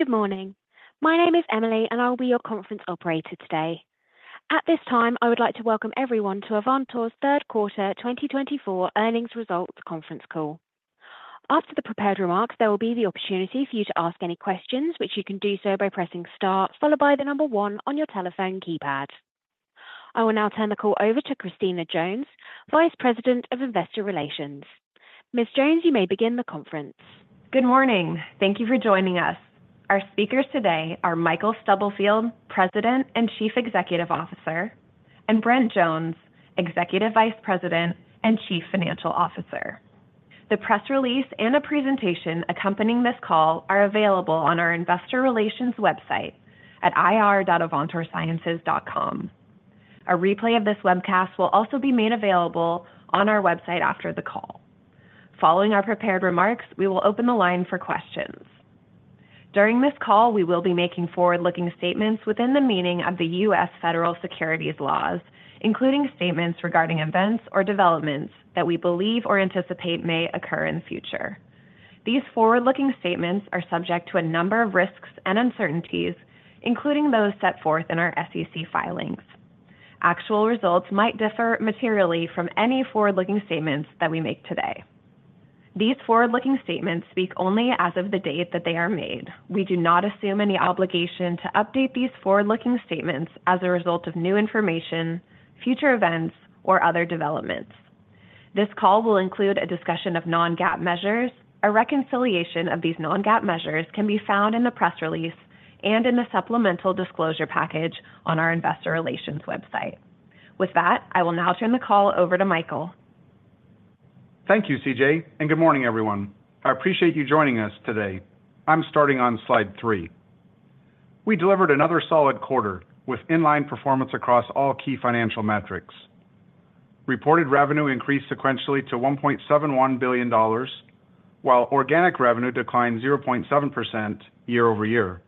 Good morning. My name is Emily, and I'll be your conference operator today. At this time, I would like to welcome everyone to Avantor's third quarter twenty twenty-four earnings results conference call. After the prepared remarks, there will be the opportunity for you to ask any questions, which you can do so by pressing star followed by the number one on your telephone keypad. I will now turn the call over to Christina Jones, Vice President of Investor Relations. Ms. Jones, you may begin the conference. Good morning. Thank you for joining us. Our speakers today are Michael Stubblefield, President and Chief Executive Officer, and Brent Jones, Executive Vice President and Chief Financial Officer. The press release and a presentation accompanying this call are available on our investor relations website at ir.avantorsciences.com. A replay of this webcast will also be made available on our website after the call. Following our prepared remarks, we will open the line for questions. During this call, we will be making forward-looking statements within the meaning of the U.S. federal securities laws, including statements regarding events or developments that we believe or anticipate may occur in future. These forward-looking statements are subject to a number of risks and uncertainties, including those set forth in our SEC filings. Actual results might differ materially from any forward-looking statements that we make today. These forward-looking statements speak only as of the date that they are made. We do not assume any obligation to update these forward-looking statements as a result of new information, future events, or other developments. This call will include a discussion of non-GAAP measures. A reconciliation of these non-GAAP measures can be found in the press release and in the supplemental disclosure package on our investor relations website. With that, I will now turn the call over to Michael. Thank you, CJ, and good morning, everyone. I appreciate you joining us today. I'm starting on slide three. We delivered another solid quarter with inline performance across all key financial metrics. Reported revenue increased sequentially to $1.71 billion, while organic revenue declined 0.7% year-over-year.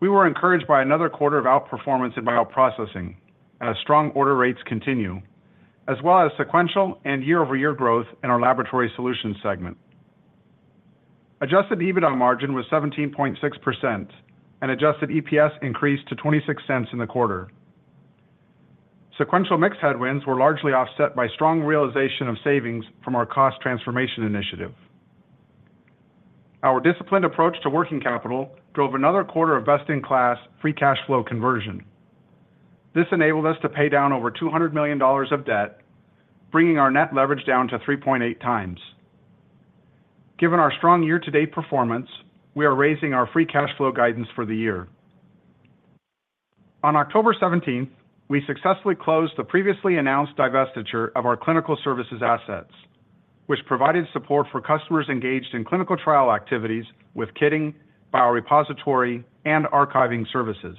We were encouraged by another quarter of outperformance in bioprocessing and as strong order rates continue, as well as sequential and year-over-year growth in our laboratory solutions segment. Adjusted EBITDA margin was 17.6% and adjusted EPS increased to $0.26 in the quarter. Sequential mix headwinds were largely offset by strong realization of savings from our cost transformation initiative. Our disciplined approach to working capital drove another quarter of best-in-class free cash flow conversion. This enabled us to pay down over $200 million of debt, bringing our net leverage down to 3.8 times. Given our strong year-to-date performance, we are raising our free cash flow guidance for the year. On October seventeenth, we successfully closed the previously announced divestiture of our clinical services assets, which provided support for customers engaged in clinical trial activities with kitting, biorepository, and archiving services.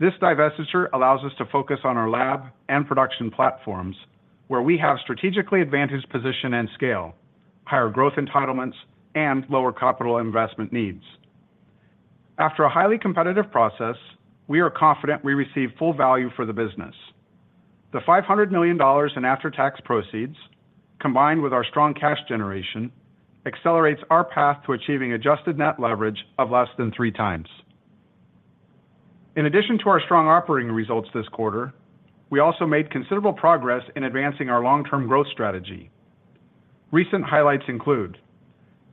This divestiture allows us to focus on our lab and production platforms, where we have strategically advantaged position and scale, higher growth entitlements, and lower capital investment needs. After a highly competitive process, we are confident we received full value for the business. The $500 million in after-tax proceeds, combined with our strong cash generation, accelerates our path to achieving adjusted net leverage of less than 3 times. In addition to our strong operating results this quarter, we also made considerable progress in advancing our long-term growth strategy. Recent highlights include: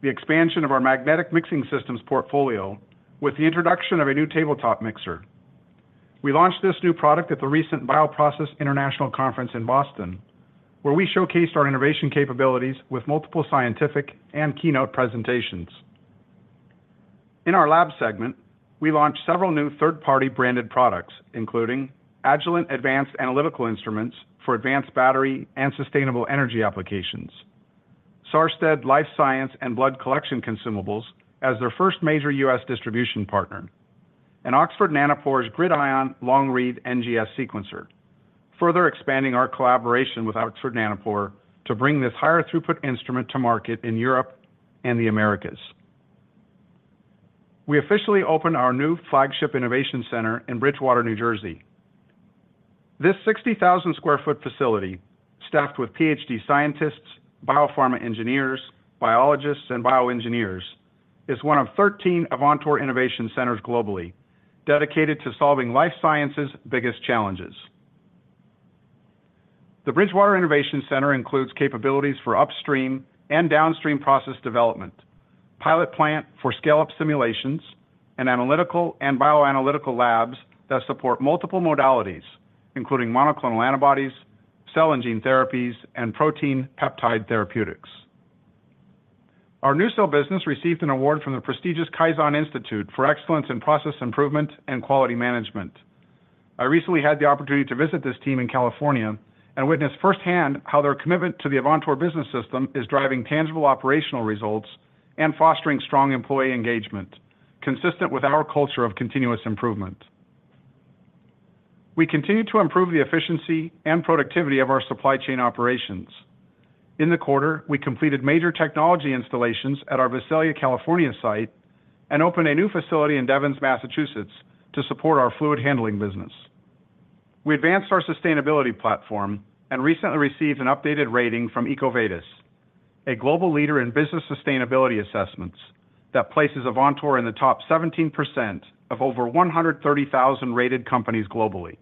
the expansion of our magnetic mixing systems portfolio with the introduction of a new tabletop mixer. We launched this new product at the recent BioProcess International Conference in Boston, where we showcased our innovation capabilities with multiple scientific and keynote presentations. In our lab segment, we launched several new third-party branded products, including Agilent Advanced Analytical Instruments for advanced battery and sustainable energy applications, Sarstedt Life Science and Blood Collection Consumables as their first major U.S. distribution partner, and Oxford Nanopore's GridION Long-Read NGS Sequencer, further expanding our collaboration with Oxford Nanopore to bring this higher throughput instrument to market in Europe and the Americas. We officially opened our new flagship innovation center in Bridgewater, New Jersey. This 60,000 sq ft facility, staffed with PhD scientists, biopharma engineers, biologists, and bioengineers, is one of 13 Avantor innovation centers globally, dedicated to solving life science's biggest challenges. The Bridgewater Innovation Center includes capabilities for upstream and downstream process development, pilot plant for scale-up simulations, and analytical and bioanalytical labs that support multiple modalities, including monoclonal antibodies, cell and gene therapies, and protein peptide therapeutics. Our NuSil business received an award from the prestigious Kaizen Institute for Excellence in Process Improvement and Quality Management. I recently had the opportunity to visit this team in California and witness firsthand how their commitment to the Avantor Business System is driving tangible operational results and fostering strong employee engagement, consistent with our culture of continuous improvement. We continue to improve the efficiency and productivity of our supply chain operations. In the quarter, we completed major technology installations at our Visalia, California, site and opened a new facility in Devens, Massachusetts, to support our fluid handling business. We advanced our sustainability platform and recently received an updated rating from EcoVadis, a global leader in business sustainability assessments, that places Avantor in the top 17% of over 130,000 rated companies globally.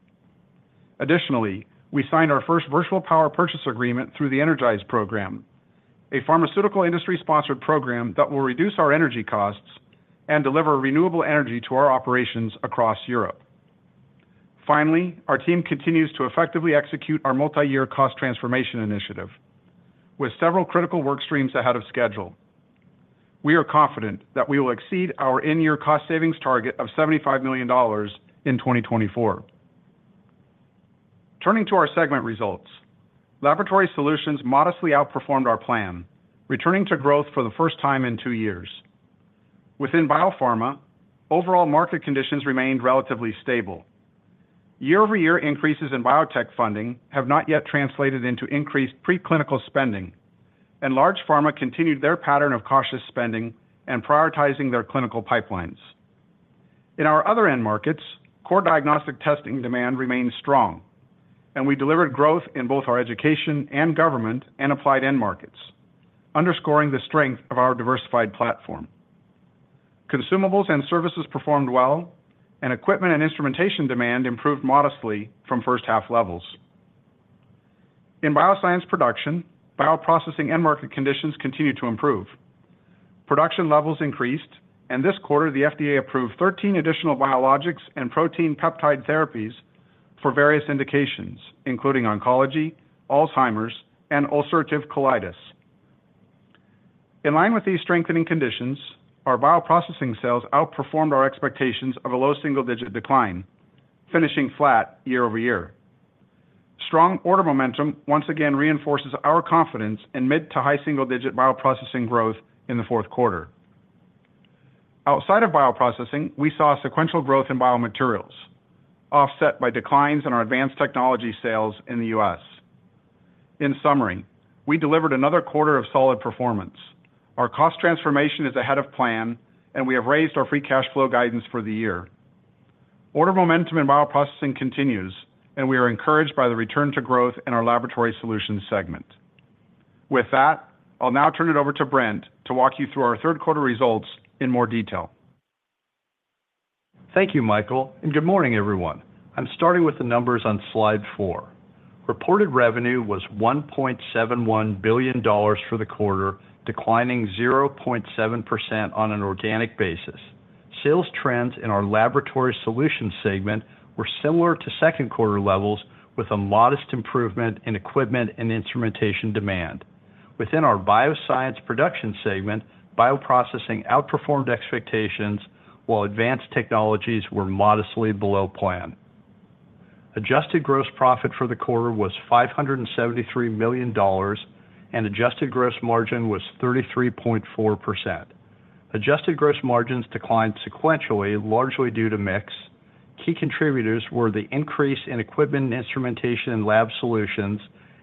Additionally, we signed our first virtual power purchase agreement through the Energize program, a pharmaceutical industry-sponsored program that will reduce our energy costs and deliver renewable energy to our operations across Europe. Finally, our team continues to effectively execute our multi-year cost transformation initiative, with several critical work streams ahead of schedule. We are confident that we will exceed our in-year cost savings target of $75 million in 2024. Turning to our segment results, Laboratory Solutions modestly outperformed our plan, returning to growth for the first time in two years. Within Biopharma, overall market conditions remained relatively stable. Year-over-year increases in biotech funding have not yet translated into increased preclinical spending, and large pharma continued their pattern of cautious spending and prioritizing their clinical pipelines. In our other end markets, core diagnostic testing demand remains strong, and we delivered growth in both our Education and Government and applied end markets, underscoring the strength of our diversified platform. Consumables and services performed well, and equipment and instrumentation demand improved modestly from first half levels. In Bioscience Production, Bioprocessing end market conditions continued to improve. Production levels increased, and this quarter, the FDA approved thirteen additional biologics and protein peptide therapies for various indications, including oncology, Alzheimer's, and ulcerative colitis. In line with these strengthening conditions, our bioprocessing sales outperformed our expectations of a low single-digit decline, finishing flat year-over-year. Strong order momentum once again reinforces our confidence in mid to high single-digit bioprocessing growth in the fourth quarter. Outside of bioprocessing, we saw sequential growth in Biomaterials, offset by declines in our advanced technology sales in the U.S. In summary, we delivered another quarter of solid performance. Our cost transformation is ahead of plan, and we have raised our free cash flow guidance for the year. Order momentum in bioprocessing continues, and we are encouraged by the return to growth in our laboratory solutions segment. With that, I'll now turn it over to Brent to walk you through our third quarter results in more detail. Thank you, Michael, and good morning, everyone. I'm starting with the numbers on slide four. Reported revenue was $1.71 billion for the quarter, declining 0.7% on an organic basis. Sales trends in our Laboratory Solutions segment were similar to second quarter levels, with a modest improvement in equipment and instrumentation demand. Within our Bioscience Production segment, Bioprocessing outperformed expectations, while Advanced Technologies were modestly below plan. Adjusted gross profit for the quarter was $573 million, and adjusted gross margin was 33.4%. Adjusted gross margins declined sequentially, largely due to mix. Key contributors were the increase in equipment and instrumentation in Laboratory Solutions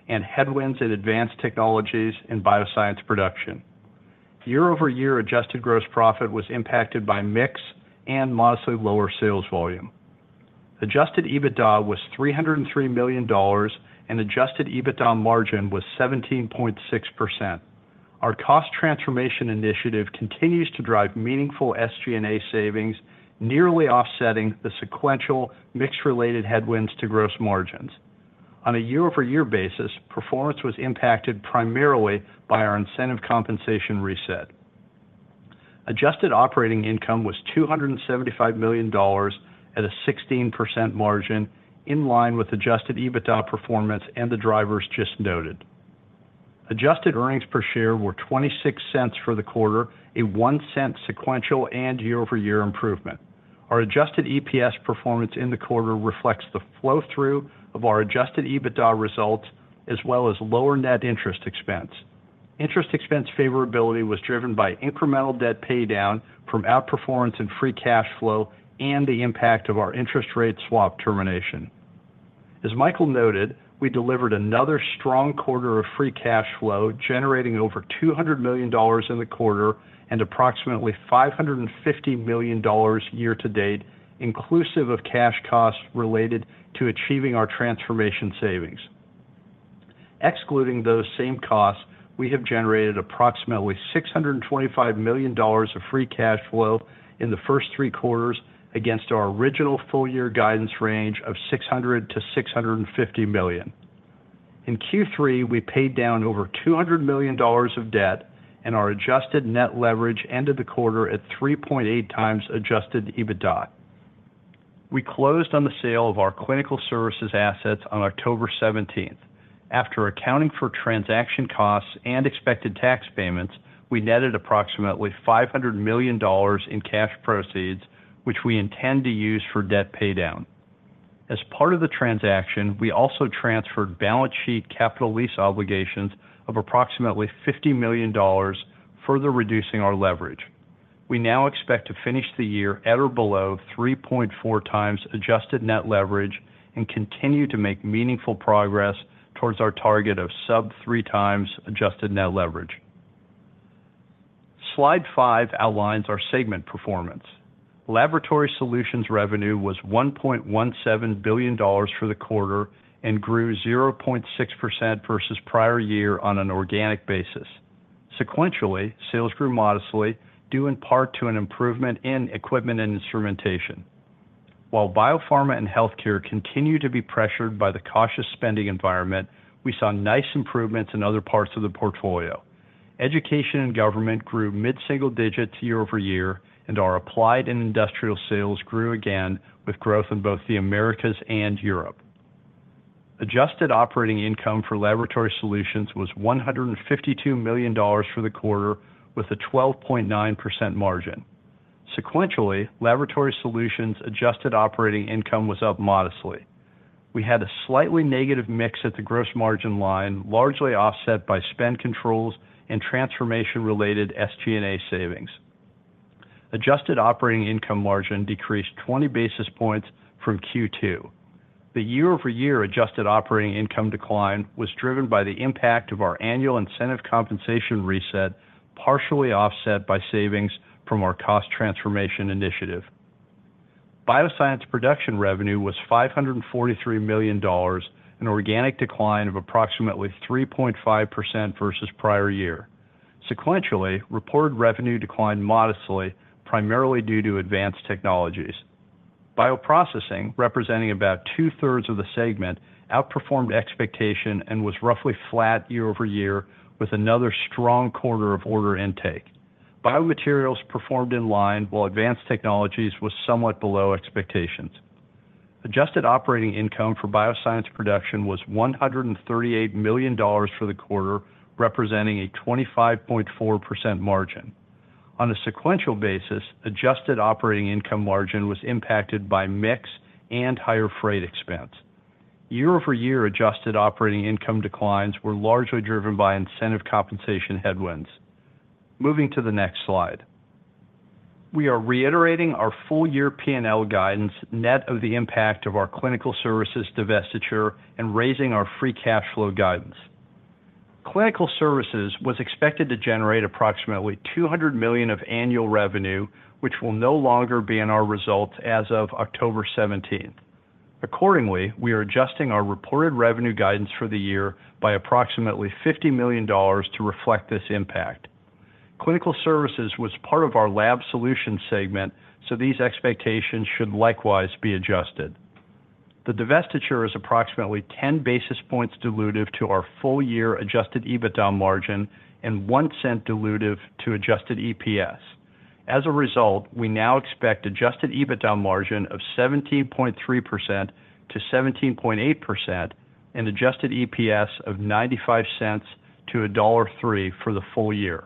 and headwinds in Advanced Technologies in Bioscience Production. Year-over-year adjusted gross profit was impacted by mix and modestly lower sales volume. Adjusted EBITDA was $303 million, and Adjusted EBITDA margin was 17.6%. Our cost transformation initiative continues to drive meaningful SG&A savings, nearly offsetting the sequential mix-related headwinds to gross margins. On a year-over-year basis, performance was impacted primarily by our incentive compensation reset. Adjusted operating income was $275 million at a 16% margin, in line with Adjusted EBITDA performance and the drivers just noted. Adjusted earnings per share were $0.26 for the quarter, a $0.01 sequential and year-over-year improvement. Our adjusted EPS performance in the quarter reflects the flow-through of our Adjusted EBITDA results, as well as lower net interest expense. Interest expense favorability was driven by incremental debt paydown from outperformance in free cash flow and the impact of our interest rate swap termination. As Michael noted, we delivered another strong quarter of free cash flow, generating over $200 million in the quarter and approximately $550 million year to date, inclusive of cash costs related to achieving our transformation savings. Excluding those same costs, we have generated approximately $625 million of free cash flow in the first three quarters against our original full year guidance range of $600 million-$650 million. In Q3, we paid down over $200 million of debt, and our adjusted net leverage ended the quarter at 3.8 times Adjusted EBITDA. We closed on the sale of our clinical services assets on October seventeenth. After accounting for transaction costs and expected tax payments, we netted approximately $500 million in cash proceeds, which we intend to use for debt paydown. As part of the transaction, we also transferred balance sheet capital lease obligations of approximately $50 million, further reducing our leverage. We now expect to finish the year at or below 3.4 times adjusted net leverage and continue to make meaningful progress towards our target of sub-3 times adjusted net leverage. Slide 5 outlines our segment performance. Laboratory Solutions revenue was $1.17 billion for the quarter and grew 0.6% versus prior year on an organic basis. Sequentially, sales grew modestly, due in part to an improvement in equipment and instrumentation. While biopharma and healthcare continue to be pressured by the cautious spending environment, we saw nice improvements in other parts of the portfolio. Education and Government grew mid-single digits year-over-year, and our applied and industrial sales grew again, with growth in both the Americas and Europe. Adjusted operating income for Laboratory Solutions was $152 million for the quarter, with a 12.9% margin. Sequentially, Laboratory Solutions adjusted operating income was up modestly. We had a slightly negative mix at the gross margin line, largely offset by spend controls and transformation-related SG&A savings. Adjusted operating income margin decreased 20 basis points from Q2. The year-over-year adjusted operating income decline was driven by the impact of our annual incentive compensation reset, partially offset by savings from our cost transformation initiative. Bioscience Production revenue was $543 million, an organic decline of approximately 3.5% versus prior year. Sequentially, reported revenue declined modestly, primarily due to Advanced Technologies. Bioprocessing, representing about two-thirds of the segment, outperformed expectation and was roughly flat year-over-year, with another strong quarter of order intake. Biomaterials performed in line, while Advanced Technologies was somewhat below expectations. Adjusted operating income for Bioscience Production was $138 million for the quarter, representing a 25.4% margin. On a sequential basis, adjusted operating income margin was impacted by mix and higher freight expense. Year-over-year adjusted operating income declines were largely driven by incentive compensation headwinds. Moving to the next slide. We are reiterating our full year P&L guidance, net of the impact of our clinical services divestiture and raising our free cash flow guidance. Clinical services was expected to generate approximately $200 million of annual revenue, which will no longer be in our results as of October seventeenth. Accordingly, we are adjusting our reported revenue guidance for the year by approximately $50 million to reflect this impact. Clinical services was part of our Lab Solutions segment, so these expectations should likewise be adjusted. The divestiture is approximately ten basis points dilutive to our full-year Adjusted EBITDA margin and one cent dilutive to adjusted EPS. As a result, we now expect Adjusted EBITDA margin of 17.3%-17.8% and adjusted EPS of $0.95-$1.03 for the full year.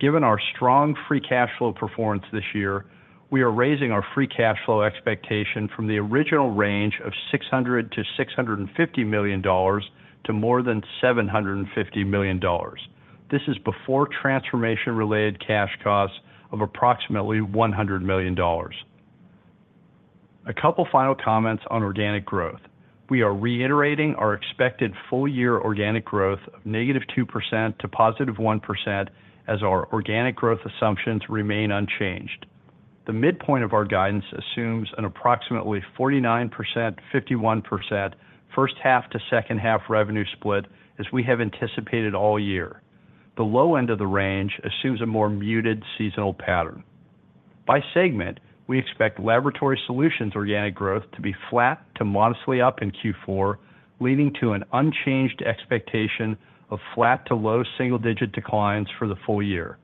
Given our strong free cash flow performance this year, we are raising our free cash flow expectation from the original range of $600 million-$650 million to more than $750 million. This is before transformation-related cash costs of approximately $100 million. A couple final comments on organic growth. We are reiterating our expected full year organic growth of -2% to +1%, as our organic growth assumptions remain unchanged. The midpoint of our guidance assumes an approximately 49%, 51% first half to second half revenue split, as we have anticipated all year. The low end of the range assumes a more muted seasonal pattern. By segment, we expect Laboratory Solutions organic growth to be flat to modestly up in Q4, leading to an unchanged expectation of flat to low single-digit declines for the full year.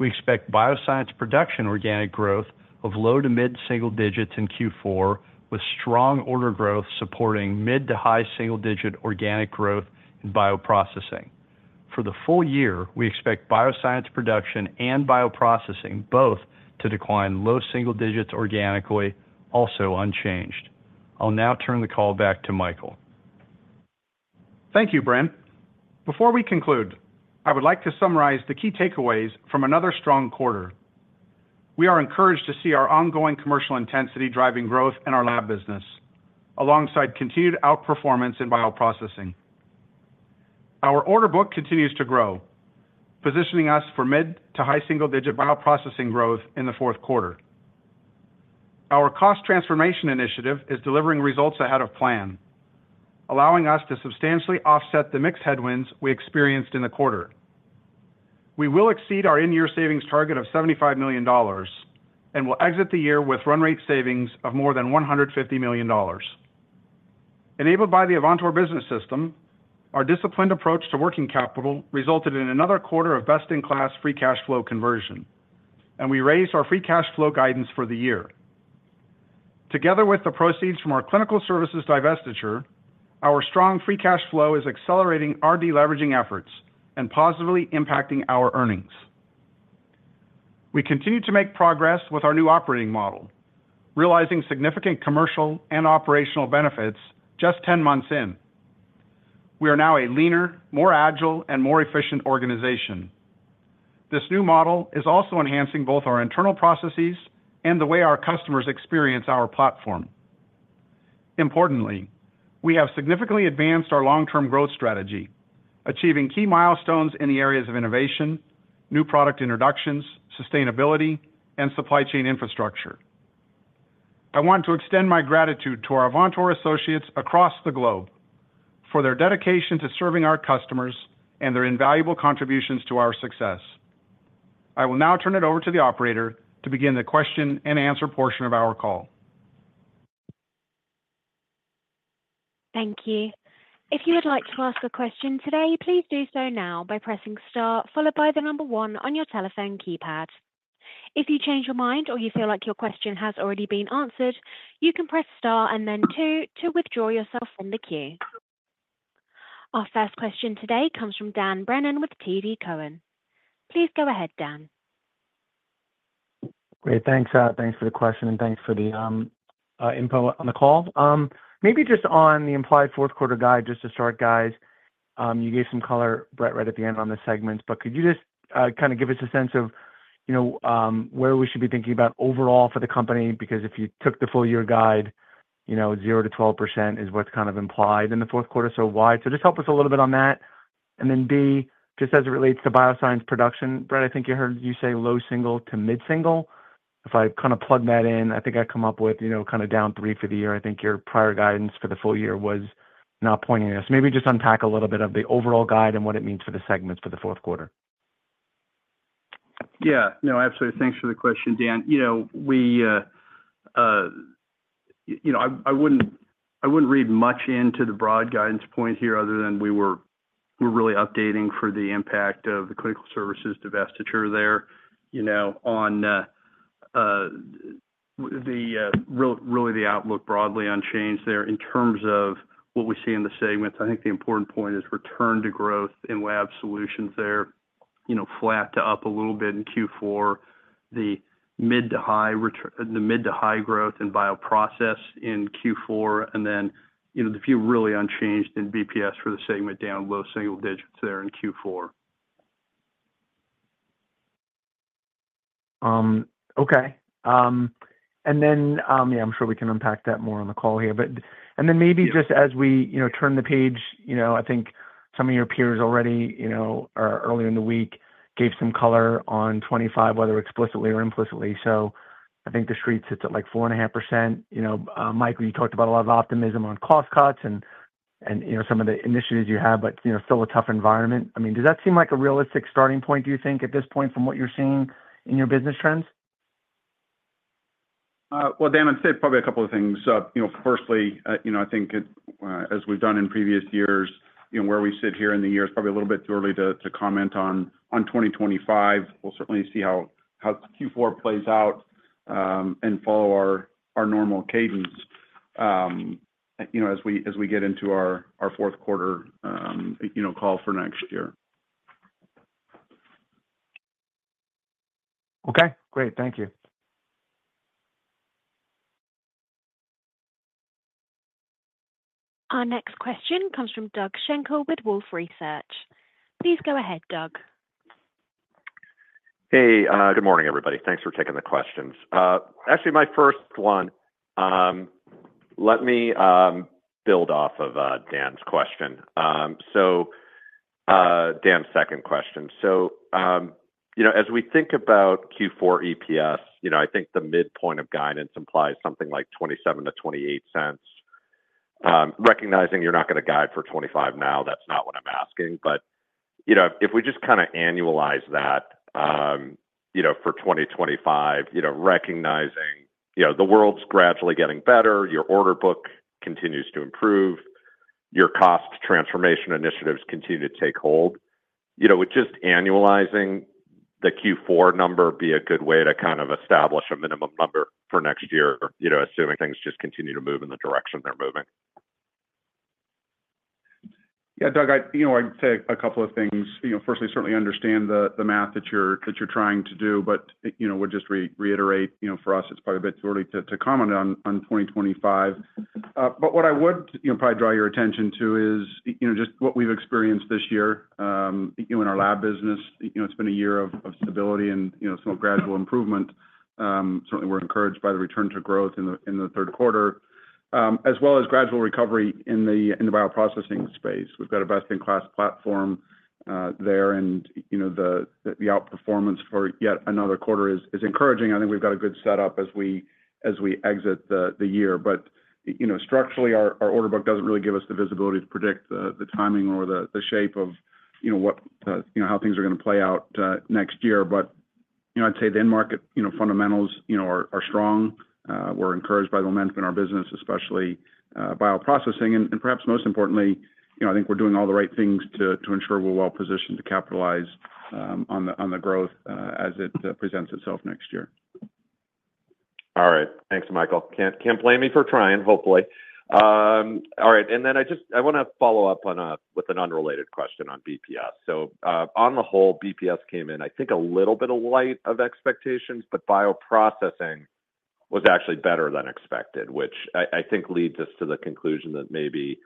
We expect Bioscience Production organic growth of low to mid-single digits in Q4, with strong order growth supporting mid to high single-digit organic growth in Bioprocessing. For the full year, we expect Bioscience Production and Bioprocessing both to decline low single digits organically, also unchanged. I'll now turn the call back to Michael. Thank you, Brent. Before we conclude, I would like to summarize the key takeaways from another strong quarter. We are encouraged to see our ongoing commercial intensity driving growth in our lab business, alongside continued outperformance in bioprocessing. Our order book continues to grow, positioning us for mid to high single-digit bioprocessing growth in the fourth quarter. Our Cost Transformation Initiative is delivering results ahead of plan, allowing us to substantially offset the mix headwinds we experienced in the quarter. We will exceed our in-year savings target of $75 million and will exit the year with run rate savings of more than $150 million. Enabled by the Avantor Business System, our disciplined approach to working capital resulted in another quarter of best-in-class free cash flow conversion, and we raised our free cash flow guidance for the year. Together with the proceeds from our clinical services divestiture, our strong free cash flow is accelerating our deleveraging efforts and positively impacting our earnings. We continue to make progress with our new operating model, realizing significant commercial and operational benefits just ten months in. We are now a leaner, more agile, and more efficient organization. This new model is also enhancing both our internal processes and the way our customers experience our platform. Importantly, we have significantly advanced our long-term growth strategy, achieving key milestones in the areas of innovation, new product introductions, sustainability, and supply chain infrastructure. I want to extend my gratitude to our Avantor associates across the globe for their dedication to serving our customers and their invaluable contributions to our success. I will now turn it over to the operator to begin the question-and-answer portion of our call. Thank you. If you would like to ask a question today, please do so now by pressing Star, followed by the number one on your telephone keypad. If you change your mind or you feel like your question has already been answered, you can press Star and then two to withdraw yourself from the queue. Our first question today comes from Dan Brennan with TD Cowen. Please go ahead, Dan. Great. Thanks, thanks for the question, and thanks for the info on the call. Maybe just on the implied fourth quarter guide, just to start, guys. You gave some color, Brent, right at the end on the segments, but could you just kind of give us a sense of, you know, where we should be thinking about overall for the company? Because if you took the full year guide, you know, 0%-12% is what's kind of implied in the fourth quarter, so wide. So just help us a little bit on that. And then, B, just as it relates to Bioscience Production, Brent, I think you heard you say low single to mid-single. If I kind of plug that in, I think I come up with, you know, kind of down 3% for the year. I think your prior guidance for the full year was not pointing us. Maybe just unpack a little bit of the overall guide and what it means for the segments for the fourth quarter. Yeah. No, absolutely. Thanks for the question, Dan. You know, we, you know, I wouldn't read much into the broad guidance point here other than we were, we're really updating for the impact of the clinical services divestiture there, you know, on the really the outlook broadly unchanged there. In terms of what we see in the segments, I think the important point is return to growth in Lab Solutions there, you know, flat to up a little bit in Q4, the mid- to high-teens. The mid- to high-teens growth in Bioprocess in Q4, and then, you know, the view really unchanged in BPS for the segment, down low-single-digits there in Q4. Okay. And then, yeah, I'm sure we can unpack that more on the call here. But and then maybe just as we, you know, turn the page, you know, I think some of your peers already, you know, or earlier in the week, gave some color on 2025, whether explicitly or implicitly. So I think the street sits at, like, 4.5%. You know, Michael, you talked about a lot of optimism on cost cuts and, you know, some of the initiatives you have, but, you know, still a tough environment. I mean, does that seem like a realistic starting point, do you think, at this point, from what you're seeing in your business trends? Well, Dan, I'd say probably a couple of things. You know, firstly, you know, I think it, as we've done in previous years, you know, where we sit here in the year is probably a little bit too early to comment on 2025. We'll certainly see how Q4 plays out, and follow our normal cadence, you know, as we get into our fourth quarter, you know, call for next year. Okay, great. Thank you. Our next question comes from Doug Schenkel with Wolfe Research. Please go ahead, Doug. Hey, good morning, everybody. Thanks for taking the questions. Actually, my first one, let me build off of Dan's question. So, Dan's second question. So, you know, as we think about Q4 EPS, you know, I think the midpoint of guidance implies something like $0.27-$0.28. Recognizing you're not going to guide for 2025 now, that's not what I'm asking. But, you know, if we just kinda annualize that, you know, for 2025, you know, recognizing, you know, the world's gradually getting better, your order book continues to improve, your cost transformation initiatives continue to take hold. You know, would just annualizing the Q4 number be a good way to kind of establish a minimum number for next year, you know, assuming things just continue to move in the direction they're moving? Yeah, Doug, you know, I'd say a couple of things. You know, firstly, certainly understand the math that you're trying to do, but, you know, would just reiterate, you know, for us, it's probably a bit too early to comment on 2025. But what I would, you know, probably draw your attention to is, you know, just what we've experienced this year, you know, in our lab business. You know, it's been a year of stability and, you know, some gradual improvement. Certainly, we're encouraged by the return to growth in the third quarter, as well as gradual recovery in the bioprocessing space. We've got a best-in-class platform there, and, you know, the outperformance for yet another quarter is encouraging. I think we've got a good setup as we exit the year, but you know, structurally, our order book doesn't really give us the visibility to predict the timing or the shape of you know what you know how things are going to play out next year, but you know, I'd say the end market you know fundamentals you know are strong. We're encouraged by the momentum in our business, especially bioprocessing, and perhaps most importantly, you know, I think we're doing all the right things to ensure we're well positioned to capitalize on the growth as it presents itself next year. All right. Thanks, Michael. Can't blame me for trying, hopefully. All right, and then I just I want to follow up on with an unrelated question on BPS. So, on the whole, BPS came in, I think, a little bit light of expectations, but bioprocessing was actually better than expected, which I think leads us to the conclusion that maybe,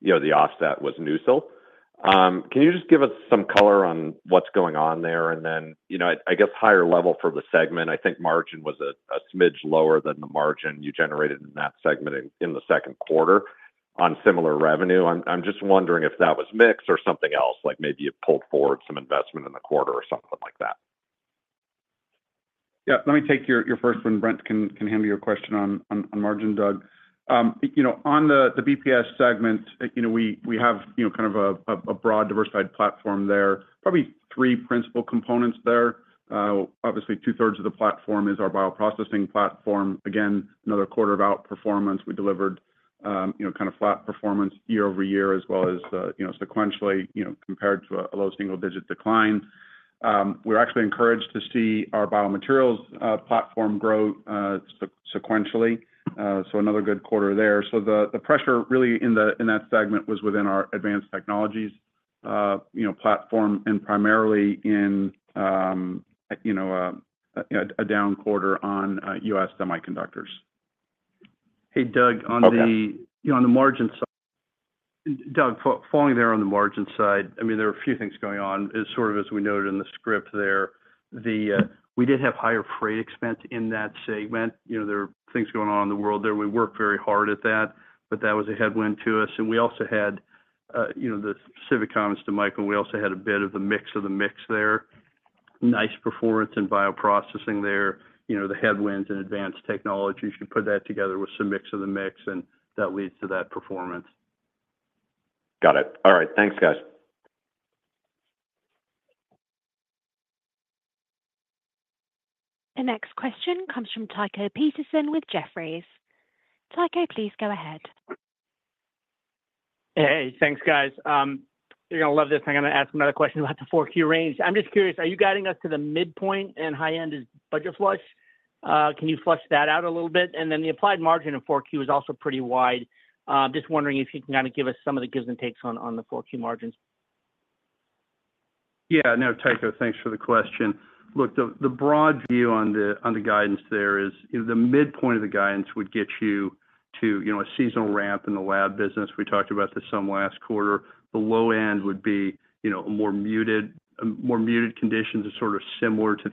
you know, the offset was NuSil. Can you just give us some color on what's going on there? And then, you know, I guess, higher level for the segment, I think margin was a smidge lower than the margin you generated in that segment in the second quarter on similar revenue. I'm just wondering if that was mixed or something else, like maybe you pulled forward some investment in the quarter or something like that. Yeah. Let me take your first one. Brent can handle your question on margin, Doug. You know, on the BPS segment, you know, we have, you know, kind of a broad, diversified platform there, probably three principal components there. Obviously, two-thirds of the platform is our bioprocessing platform. Again, another quarter of outperformance we delivered, you know, kind of flat performance year-over-year, as well as, you know, sequentially, you know, compared to a low single-digit decline. We're actually encouraged to see our Biomaterials platform grow sequentially, so another good quarter there. So the pressure, really, in that segment was within our Advanced Technologies platform, and primarily in a down quarter on US semiconductors. Hey, Doug, on the- Okay. You know, on the margin side, Doug, following there on the margin side, I mean, there are a few things going on. As sort of as we noted in the script there, we did have higher freight expense in that segment. You know, there are things going on in the world there. We worked very hard at that, but that was a headwind to us. And we also had, you know, the specific comments to Michael. We also had a bit of the mix of the mix there. Nice performance in bioprocessing there, you know, the headwinds in Advanced Technologies. You put that together with some mix of the mix, and that leads to that performance. Got it. All right. Thanks, guys. The next question comes from Tycho Peterson with Jefferies. Tycho, please go ahead. Hey, thanks, guys. You're gonna love this. I'm gonna ask another question about the Q4 range. I'm just curious, are you guiding us to the midpoint and high end is budget flush? Can you flesh that out a little bit? And then the applied margin in Q4 is also pretty wide. Just wondering if you can kind of give us some of the gives and takes on the Q4 margins. Yeah, no, Tycho, thanks for the question. Look, the broad view on the guidance there is the midpoint of the guidance would get you to, you know, a seasonal ramp in the lab business. We talked about this some last quarter. The low end would be, you know, a more muted conditions of sort of similar to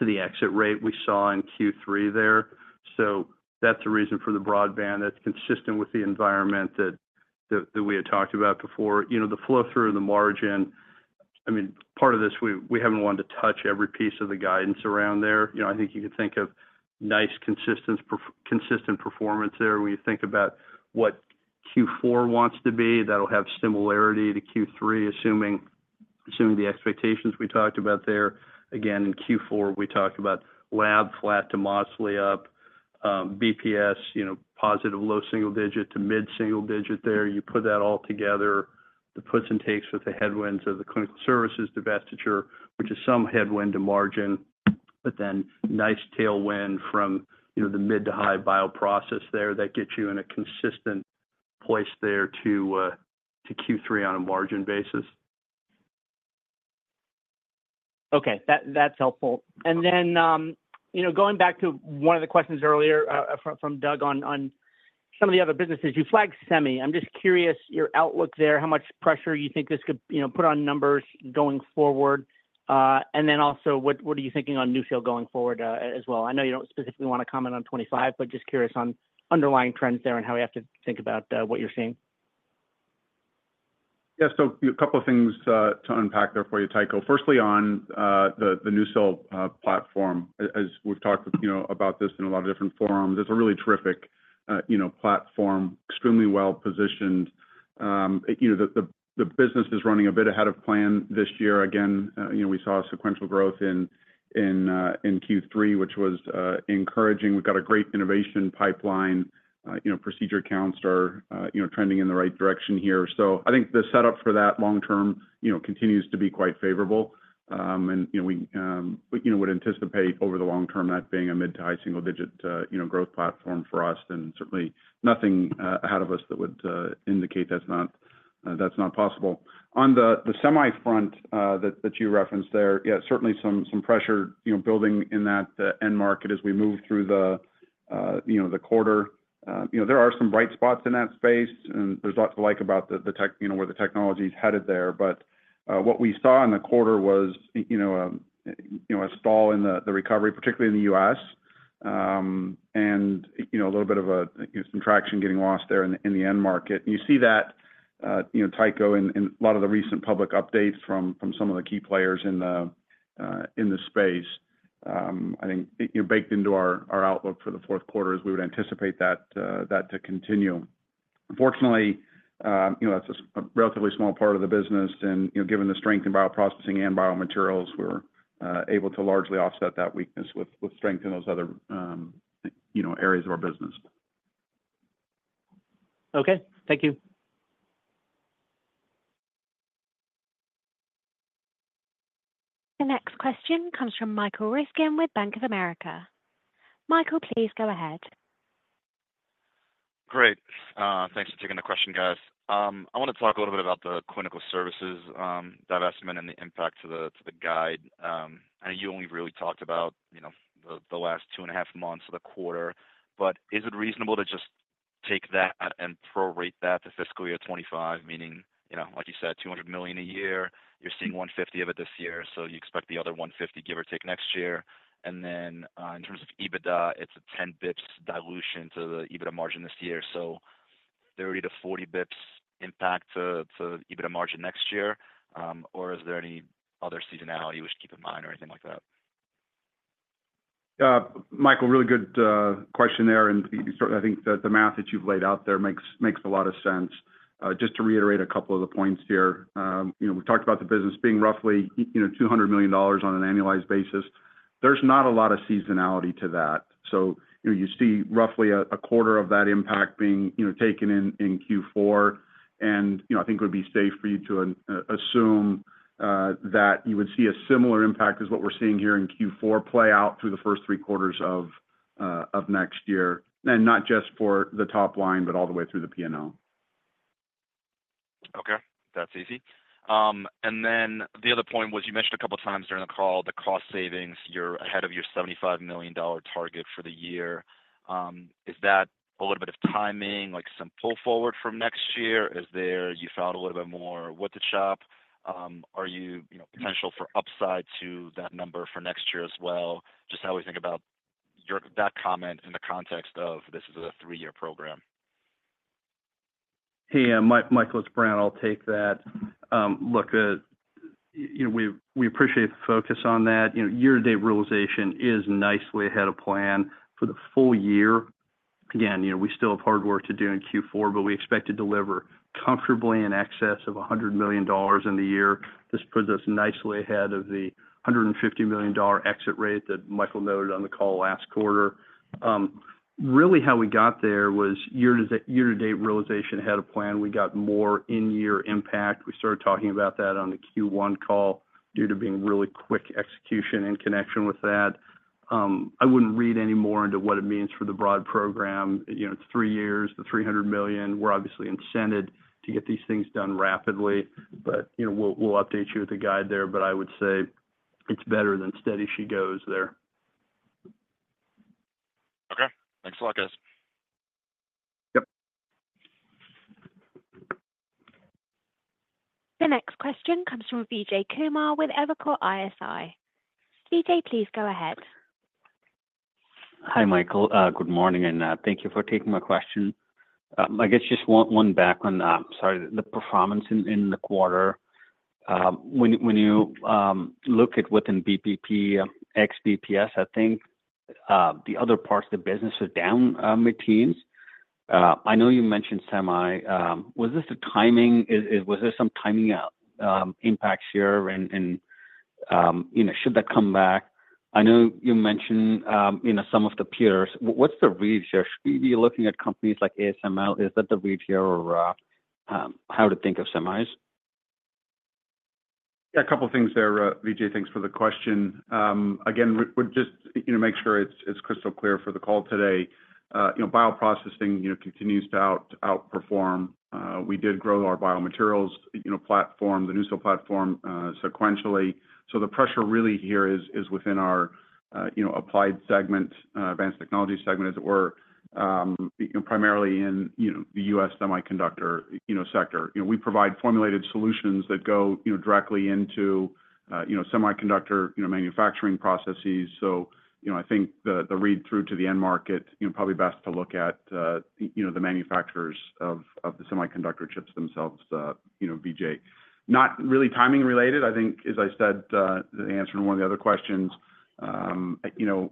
the exit rate we saw in Q3 there. So that's the reason for the broad band that's consistent with the environment that we had talked about before. You know, the flow through the margin, I mean, part of this, we haven't wanted to touch every piece of the guidance around there. You know, I think you could think of nice, consistent performance there. When you think about what Q4 wants to be, that'll have similarity to Q3, assuming the expectations we talked about there. Again, in Q4, we talked about lab flat to mostly up, BPS, you know, positive low single digit to mid single digit there. You put that all together, the puts and takes with the headwinds of the clinical services divestiture, which is some headwind to margin, but then nice tailwind from, you know, the mid to high bioprocess there. That gets you in a consistent place there to Q3 on a margin basis. Okay, that's helpful. And then, you know, going back to one of the questions earlier, from Doug on some of the other businesses, you flagged semi. I'm just curious, your outlook there, how much pressure you think this could, you know, put on numbers going forward? And then also, what are you thinking on NuSil going forward, as well? I know you don't specifically want to comment on twenty-five, but just curious on underlying trends there and how we have to think about what you're seeing. Yeah. So a couple of things to unpack there for you, Tycho. Firstly, on the NuSil platform, as we've talked, you know, about this in a lot of different forums, it's a really terrific, you know, platform, extremely well-positioned. You know, the business is running a bit ahead of plan this year. Again, you know, we saw sequential growth in Q3, which was encouraging. We've got a great innovation pipeline. You know, procedure counts are, you know, trending in the right direction here. So I think the setup for that long term, you know, continues to be quite favorable. And you know we would anticipate over the long term that being a mid- to high-single-digit you know growth platform for us, and certainly nothing ahead of us that would indicate that's not- that's not possible. On the semi front that you referenced there, yeah, certainly some pressure you know building in that end market as we move through the you know the quarter. You know there are some bright spots in that space, and there's a lot to like about the tech- you know where the technology is headed there. But what we saw in the quarter was you know a stall in the recovery, particularly in the U.S., and you know a little bit of a... Some traction getting lost there in the end market. You see that, you know, Tycho, in a lot of the recent public updates from some of the key players in the space. I think, you know, baked into our outlook for the fourth quarter is we would anticipate that to continue. Unfortunately, you know, that's a relatively small part of the business and, you know, given the strength in bioprocessing and Biomaterials, we're able to largely offset that weakness with strength in those other, you know, areas of our business. Okay. Thank you. The next question comes from Michael Ryskin with Bank of America. Michael, please go ahead. Great. Thanks for taking the question, guys. I want to talk a little bit about the clinical services divestment and the impact to the guide. I know you only really talked about, you know, the last two and a half months of the quarter, but is it reasonable to just- take that and prorate that to fiscal year 2025, meaning, you know, like you said, two hundred million a year. You're seeing one fifty of it this year, so you expect the other one fifty, give or take, next year. And then, in terms of EBITDA, it's a 10 basis points dilution to the EBITDA margin this year. So 30 to 40 basis points impact to EBITDA margin next year, or is there any other seasonality we should keep in mind or anything like that? Michael, really good question there, and I think the math that you've laid out there makes a lot of sense. Just to reiterate a couple of the points here. You know, we talked about the business being roughly $200 million on an annualized basis. There's not a lot of seasonality to that. So, you know, you see roughly a quarter of that impact being taken in Q4. And, you know, I think it would be safe for you to assume that you would see a similar impact as what we're seeing here in Q4 play out through the first three quarters of next year, and not just for the top line, but all the way through the P&L. Okay, that's easy. And then the other point was, you mentioned a couple of times during the call, the cost savings. You're ahead of your $75 million target for the year. Is that a little bit of timing, like some pull forward from next year? You found a little bit more with the shop? Are you, you know, potential for upside to that number for next year as well? Just how we think about your - that comment in the context of this is a three-year program. Hey, Michael, it's Brent. I'll take that. Look, you know, we appreciate the focus on that. You know, year-to-date realization is nicely ahead of plan for the full year. Again, you know, we still have hard work to do in Q4, but we expect to deliver comfortably in excess of $100 million in the year. This puts us nicely ahead of the $150 million exit rate that Michael noted on the call last quarter. Really, how we got there was year-to-date realization ahead of plan. We got more in-year impact. We started talking about that on the Q1 call due to being really quick execution in connection with that. I wouldn't read any more into what it means for the broad program. You know, it's three years, the $300 million. We're obviously incented to get these things done rapidly, but, you know, we'll, we'll update you with the guide there, but I would say it's better than steady she goes there. Okay. Thanks a lot, guys. Yep. The next question comes from Vijay Kumar with Evercore ISI. Vijay, please go ahead. Hi, Michael. Good morning, and thank you for taking my question. I guess just one back on, sorry, the performance in the quarter. When you look at within BPP, ex-BPS, I think the other parts of the business are down mid-teens. I know you mentioned semi. Was this the timing? Was there some timing out impacts here? And you know, some of the peers. What's the read here? Should we be looking at companies like ASML? Is that the read here or how to think of semis? Yeah, a couple of things there, Vijay. Thanks for the question. Again, we're just, you know, make sure it's crystal clear for the call today. You know, bioprocessing continues to outperform. We did grow our Biomaterials platform, the NuSil platform, sequentially. So the pressure really here is within our applied segment, advanced technology segment, as it were. You know, primarily in the U.S. semiconductor sector. You know, we provide formulated solutions that go directly into semiconductor manufacturing processes. So, you know, I think the read-through to the end market probably best to look at the manufacturers of the semiconductor chips themselves, Vijay. Not really timing related. I think, as I said, the answer to one of the other questions, you know,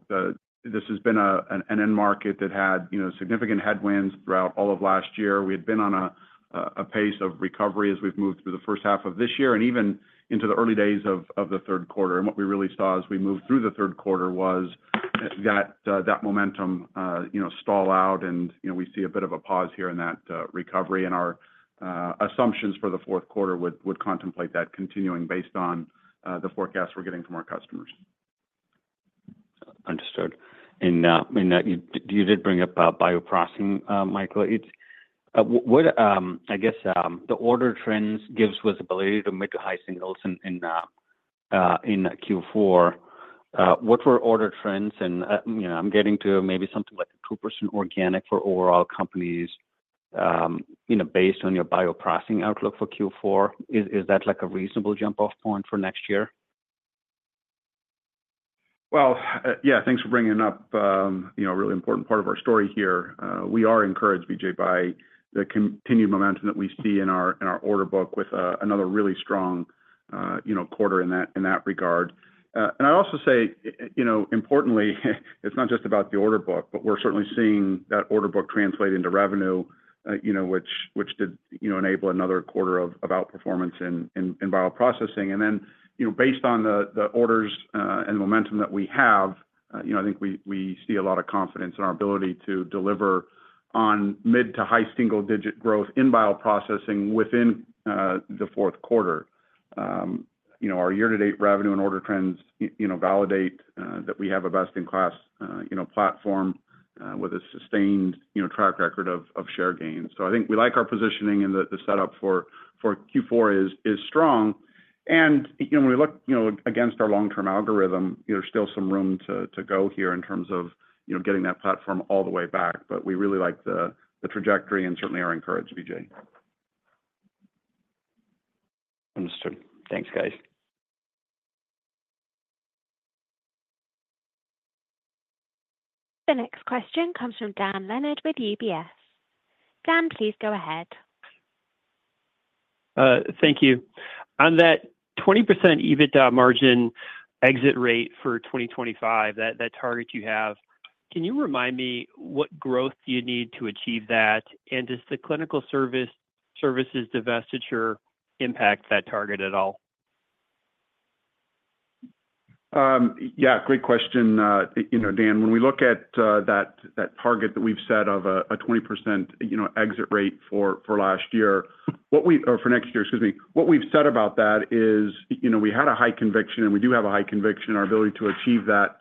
this has been a, an end market that had, you know, significant headwinds throughout all of last year. We had been on a pace of recovery as we've moved through the first half of this year, and even into the early days of the third quarter. And what we really saw as we moved through the third quarter was that that momentum, you know, stall out and, you know, we see a bit of a pause here in that recovery, and our assumptions for the fourth quarter would contemplate that continuing based on the forecast we're getting from our customers. Understood. And, you did bring up, bioprocessing, Michael. It's I guess, the order trends gives us the ability to mid- to high singles in Q4. What were order trends? And, you know, I'm getting to maybe something like a 2% organic for overall companies, you know, based on your bioprocessing outlook for Q4. Is that like a reasonable jump-off point for next year? Well, yeah, thanks for bringing up, you know, a really important part of our story here. We are encouraged, Vijay, by the continued momentum that we see in our order book with another really strong, you know, quarter in that regard. And I'd also say, you know, importantly, it's not just about the order book, but we're certainly seeing that order book translate into revenue, you know, which did, you know, enable another quarter of outperformance in bioprocessing. And then, you know, based on the orders and momentum that we have, you know, I think we see a lot of confidence in our ability to deliver on mid to high single-digit growth in bioprocessing within the fourth quarter. You know, our year-to-date revenue and order trends, you know, validate that we have a best-in-class, you know, platform with a sustained, you know, track record of share gains, so I think we like our positioning and the setup for Q4 is strong, and you know, when we look against our long-term algorithm, there's still some room to go here in terms of, you know, getting that platform all the way back, but we really like the trajectory and certainly are encouraged, Vijay. So thanks, guys. The next question comes from Dan Leonard with UBS. Dan, please go ahead. Thank you. On that 20% EBITDA margin exit rate for 2025, that target you have, can you remind me what growth do you need to achieve that? And does the clinical services divestiture impact that target at all? Yeah, great question. You know, Dan, when we look at that target that we've set of a 20% exit rate for next year, excuse me. What we've said about that is, you know, we had a high conviction, and we do have a high conviction in our ability to achieve that,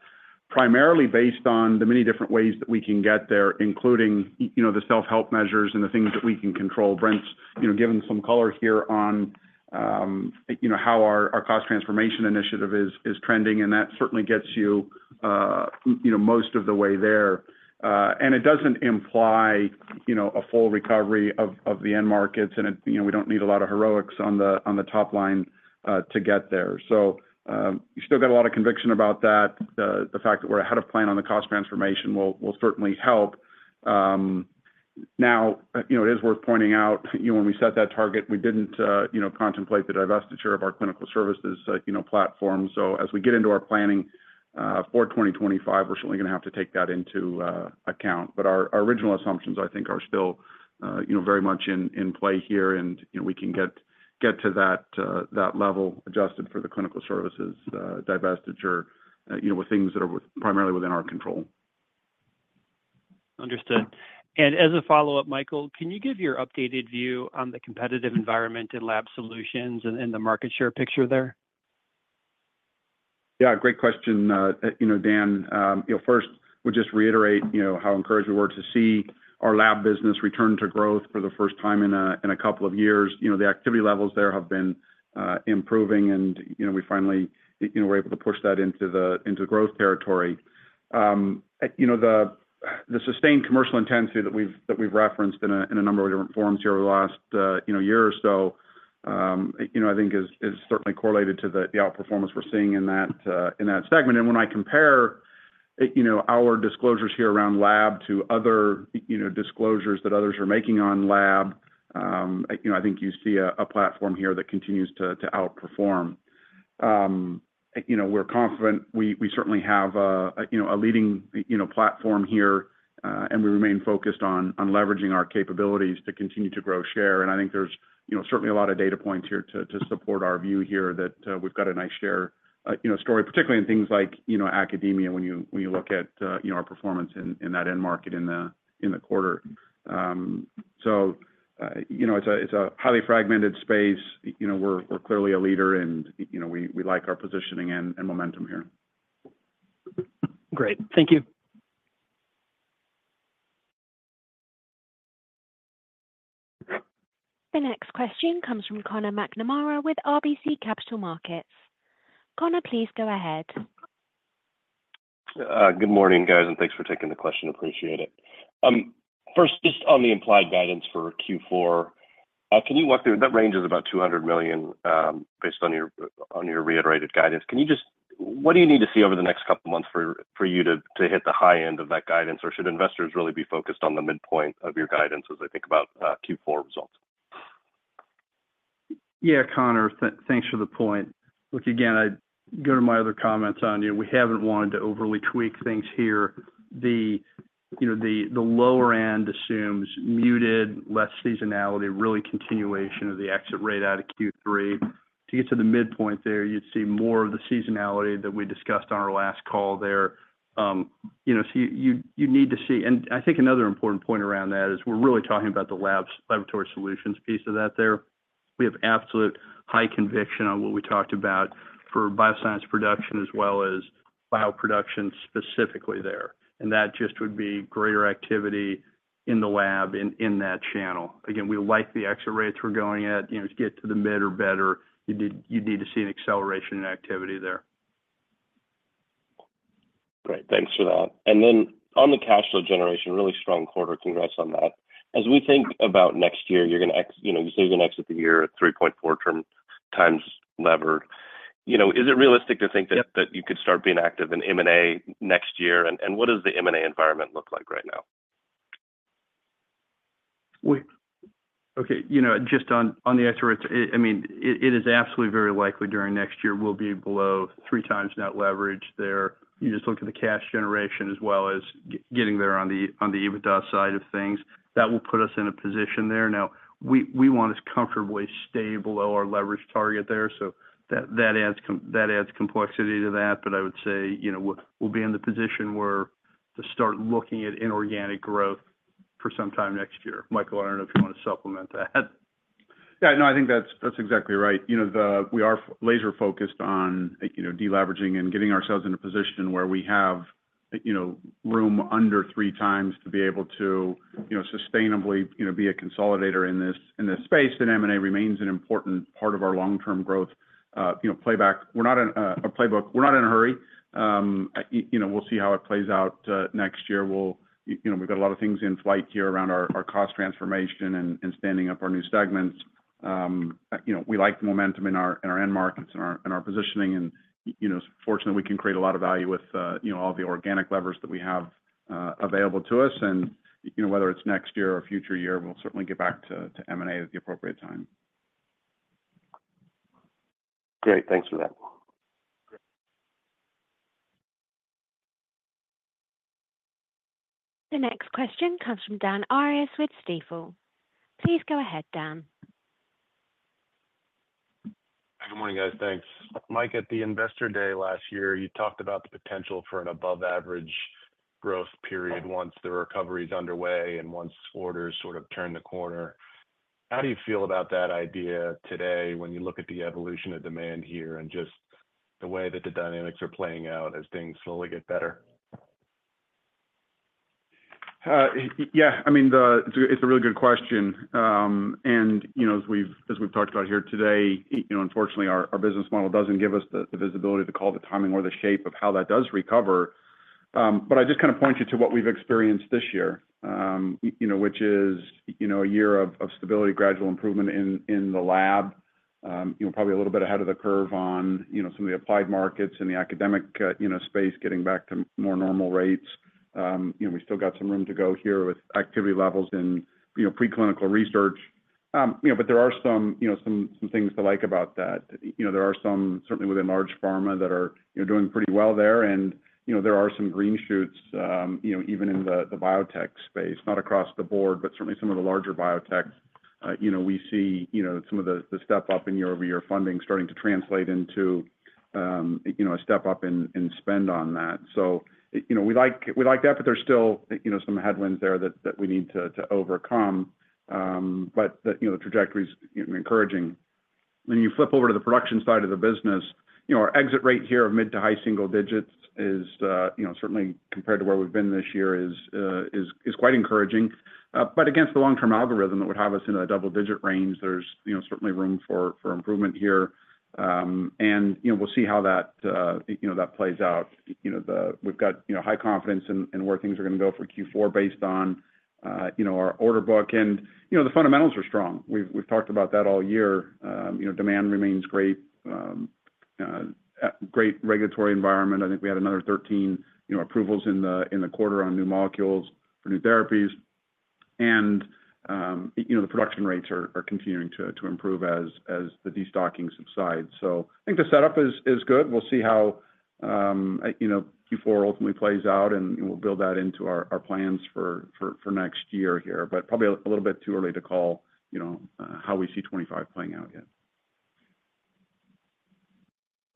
primarily based on the many different ways that we can get there, including you know, the self-help measures and the things that we can control. Brent's you know, given some color here on you know, how our cost transformation initiative is trending, and that certainly gets you you know, most of the way there. And it doesn't imply, you know, a full recovery of the end markets, and, you know, we don't need a lot of heroics on the top line to get there. So, we still got a lot of conviction about that. The fact that we're ahead of plan on the cost transformation will certainly help. Now, you know, it is worth pointing out, you know, when we set that target, we didn't, you know, contemplate the divestiture of our clinical services, you know, platform. So as we get into our planning for 2025, we're certainly going to have to take that into account. But our original assumptions, I think, are still, you know, very much in play here, and, you know, we can get to that level, adjusted for the clinical services divestiture, you know, with things that are primarily within our control. Understood. And as a follow-up, Michael, can you give your updated view on the competitive environment in lab solutions and the market share picture there? Yeah, great question. You know, Dan, you know, first, we'll just reiterate, you know, how encouraged we were to see our lab business return to growth for the first time in a couple of years. You know, the activity levels there have been improving and, you know, we finally, you know, we're able to push that into growth territory. You know, the sustained commercial intensity that we've referenced in a number of different forums here over the last, you know, year or so, you know, I think is certainly correlated to the outperformance we're seeing in that segment. And when I compare, you know, our disclosures here around lab to other, you know, disclosures that others are making on lab, I think you see a platform here that continues to outperform. You know, we're confident we certainly have a, you know, a leading platform here, and we remain focused on leveraging our capabilities to continue to grow share. And I think there's, you know, certainly a lot of data points here to support our view here that we've got a nice share story, particularly in things like academia, when you look at our performance in that end market in the quarter. So, you know, it's a highly fragmented space. You know, we're clearly a leader, and you know, we like our positioning and momentum here. Great. Thank you. The next question comes from Conor McNamara with RBC Capital Markets. Conor, please go ahead. Good morning, guys, and thanks for taking the question. Appreciate it. First, just on the implied guidance for Q4, that range is about $200 million based on your reiterated guidance. What do you need to see over the next couple of months for you to hit the high end of that guidance? Or should investors really be focused on the midpoint of your guidance as they think about Q4 results? Yeah, Conor, thanks for the point. Look, again, I go to my other comments on, you know, we haven't wanted to overly tweak things here. You know, the lower end assumes muted, less seasonality, really continuation of the exit rate out of Q3. To get to the midpoint there, you'd see more of the seasonality that we discussed on our last call there. You know, so you need to see. And I think another important point around that is we're really talking about the laboratory solutions piece of that there. We have absolute high conviction on what we talked about for bioscience production as well as bioprocessing specifically there, and that just would be greater activity in the lab in that channel. Again, we like the exit rates we're going at. You know, to get to the mid or better, you need, you need to see an acceleration in activity there. Great. Thanks for that. And then on the cash flow generation, really strong quarter. Congrats on that. As we think about next year, you're going to, you know, you said you're going to exit the year at 3.4 turns times leverage. You know, is it realistic to think that- Yep That you could start being active in M&A next year? And what does the M&A environment look like right now? Okay, you know, just on the exit rates, I mean, it is absolutely very likely during next year we'll be below three times net leverage there. You just look at the cash generation as well as getting there on the EBITDA side of things. That will put us in a position there. Now, we want to comfortably stay below our leverage target there, so that adds complexity to that, but I would say, you know, we'll be in the position where to start looking at inorganic growth for sometime next year. Michael, I don't know if you want to supplement that. Yeah, no, I think that's exactly right. You know, we are laser focused on, you know, deleveraging and getting ourselves in a position where we have, you know, room under three times to be able to, you know, sustainably, you know, be a consolidator in this space, and M&A remains an important part of our long-term growth strategy. You know, playbook. We're not in a playbook. We're not in a hurry. You know, we'll see how it plays out next year. You know, we've got a lot of things in flight here around our cost transformation and standing up our new segments. You know, we like the momentum in our end markets and our positioning, and, you know, fortunately, we can create a lot of value with, you know, all the organic levers that we have available to us. And, you know, whether it's next year or a future year, we'll certainly get back to M&A at the appropriate time. Great. Thanks for that. The next question comes from Dan Arias with Stifel. Please go ahead, Dan. Good morning, guys. Thanks. Mike, at the Investor Day last year, you talked about the potential for an above-average growth period once the recovery is underway and once orders sort of turn the corner. How do you feel about that idea today when you look at the evolution of demand here and just the way that the dynamics are playing out as things slowly get better? Yeah, I mean, it's a really good question. And, you know, as we've talked about here today, you know, unfortunately, our business model doesn't give us the visibility to call the timing or the shape of how that does recover. But I just kind of point you to what we've experienced this year, you know, which is, you know, a year of stability, gradual improvement in the lab. You know, probably a little bit ahead of the curve on, you know, some of the applied markets and the academic, you know, space getting back to more normal rates. You know, we still got some room to go here with activity levels in, you know, preclinical research. But there are some, you know, some things to like about that. You know, there are some, certainly within large pharma, that are, you know, doing pretty well there. You know, there are some green shoots, you know, even in the biotech space, not across the board, but certainly some of the larger biotech. You know, we see, you know, some of the step up in year-over-year funding starting to translate into, you know, a step up in spend on that. You know, we like that, but there's still, you know, some headwinds there that we need to overcome. You know, the trajectory is encouraging. When you flip over to the production side of the business, you know, our exit rate here of mid to high single digits is, you know, certainly compared to where we've been this year, is quite encouraging. But against the long-term algorithm, that would have us in a double-digit range, there's, you know, certainly room for improvement here. And, you know, we'll see how that, you know, that plays out. You know, we've got, you know, high confidence in where things are going to go for Q4 based on, you know, our order book, and, you know, the fundamentals are strong. We've talked about that all year. You know, demand remains great, great regulatory environment. I think we had another 13, you know, approvals in the quarter on new molecules for new therapies. And, you know, the production rates are continuing to improve as the destocking subsides. So I think the setup is good. We'll see how, you know, Q4 ultimately plays out, and we'll build that into our plans for next year here. But probably a little bit too early to call, you know, how we see 2025 playing out yet.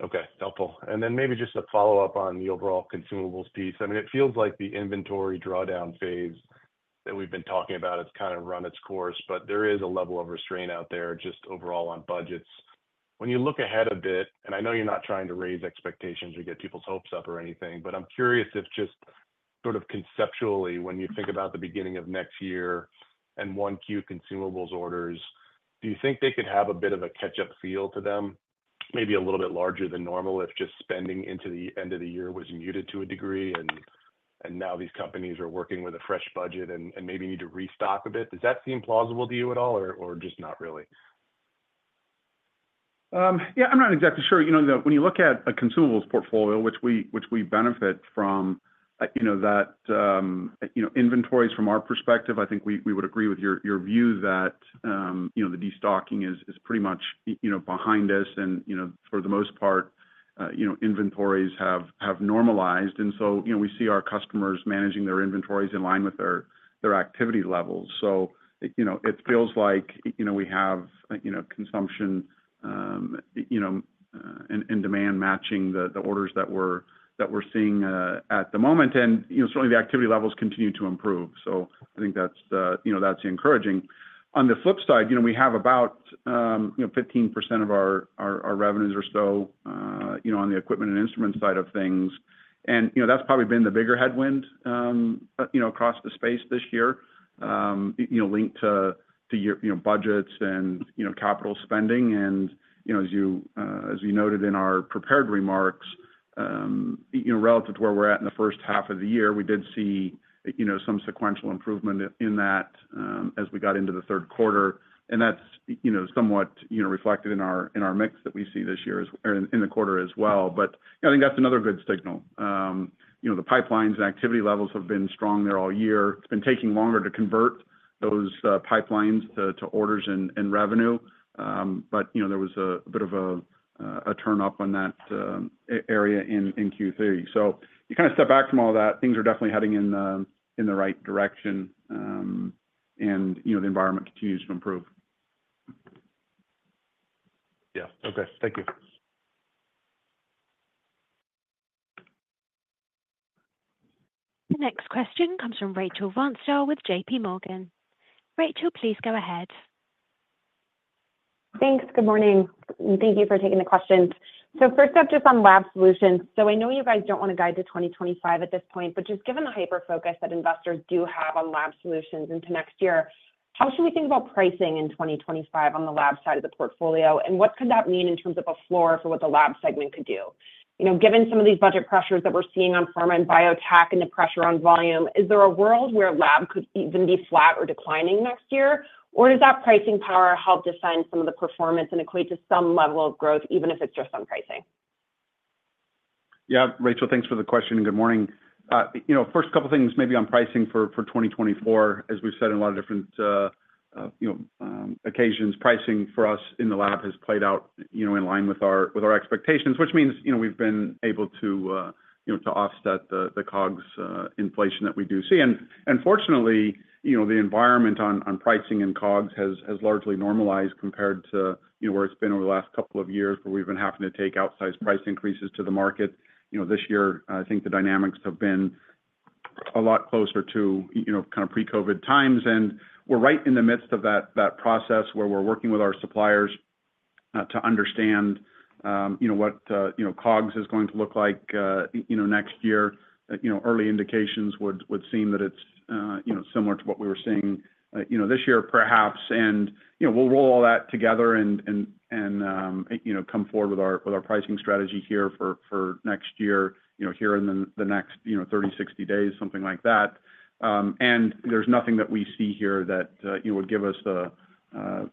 Okay, helpful. And then maybe just a follow-up on the overall consumables piece. I mean, it feels like the inventory drawdown phase that we've been talking about has kind of run its course, but there is a level of restraint out there, just overall on budgets. When you look ahead a bit, and I know you're not trying to raise expectations or get people's hopes up or anything, but I'm curious if just sort of conceptually, when you think about the beginning of next year and Q1 consumables orders, do you think they could have a bit of a catch-up feel to them? Maybe a little bit larger than normal, if just spending into the end of the year was muted to a degree, and, and now these companies are working with a fresh budget and, and maybe need to restock a bit. Does that seem plausible to you at all, or, or just not really? Yeah, I'm not exactly sure. You know, when you look at a consumables portfolio, which we benefit from, you know, inventories from our perspective, I think we would agree with your view that, you know, the destocking is pretty much, you know, behind us. You know, for the most part, you know, inventories have normalized, and so, you know, we see our customers managing their inventories in line with their activity levels. You know, it feels like, you know, we have, you know, consumption, you know, and demand matching the orders that we're seeing at the moment. You know, certainly the activity levels continue to improve. I think that's, you know, encouraging. On the flip side, you know, we have about 15% of our revenues or so, you know, on the equipment and instrument side of things. And, you know, that's probably been the bigger headwind, you know, across the space this year, you know, linked to your budgets and capital spending. And, you know, as you noted in our prepared remarks, you know, relative to where we're at in the first half of the year, we did see, you know, some sequential improvement in that, as we got into the third quarter, and that's, you know, somewhat reflected in our mix that we see this year as in the quarter as well. But I think that's another good signal. You know, the pipelines and activity levels have been strong there all year. It's been taking longer to convert those pipelines to orders and revenue, but you know, there was a bit of a turn up on that area in Q3, so you kind of step back from all that, things are definitely heading in the right direction, and you know, the environment continues to improve. Yeah. Okay, thank you. The next question comes from Rachel Vatnsdal with JPMorgan. Rachel, please go ahead. Thanks. Good morning, and thank you for taking the questions. So first up, just on Lab Solutions. So I know you guys don't want to guide to 2025 at this point, but just given the hyper focus that investors do have on Lab Solutions into next year, how should we think about pricing in 2025 on the lab side of the portfolio? And what could that mean in terms of a floor for what the lab segment could do? You know, given some of these budget pressures that we're seeing on pharma and biotech and the pressure on volume, is there a world where lab could even be flat or declining next year? Or does that pricing power help define some of the performance and equate to some level of growth, even if it's just on pricing? Yeah, Rachel, thanks for the question, and good morning. You know, first couple of things maybe on pricing for 2024. As we've said in a lot of different occasions, you know, pricing for us in the lab has played out, you know, in line with our expectations, which means, you know, we've been able to offset the COGS inflation that we do see, and fortunately, you know, the environment on pricing and COGS has largely normalized compared to where it's been over the last couple of years, where we've been having to take outsized price increases to the market. You know, this year, I think the dynamics have been a lot closer to, you know, kind of pre-COVID times, and we're right in the midst of that process where we're working with our suppliers to understand, you know, what, you know, COGS is going to look like, you know, next year. You know, early indications would seem that it's, you know, similar to what we were seeing, you know, this year, perhaps, and you know, we'll roll all that together and, you know, come forward with our pricing strategy here for next year, you know, here in the next, you know, 30, 60 days, something like that. And there's nothing that we see here that you would give us a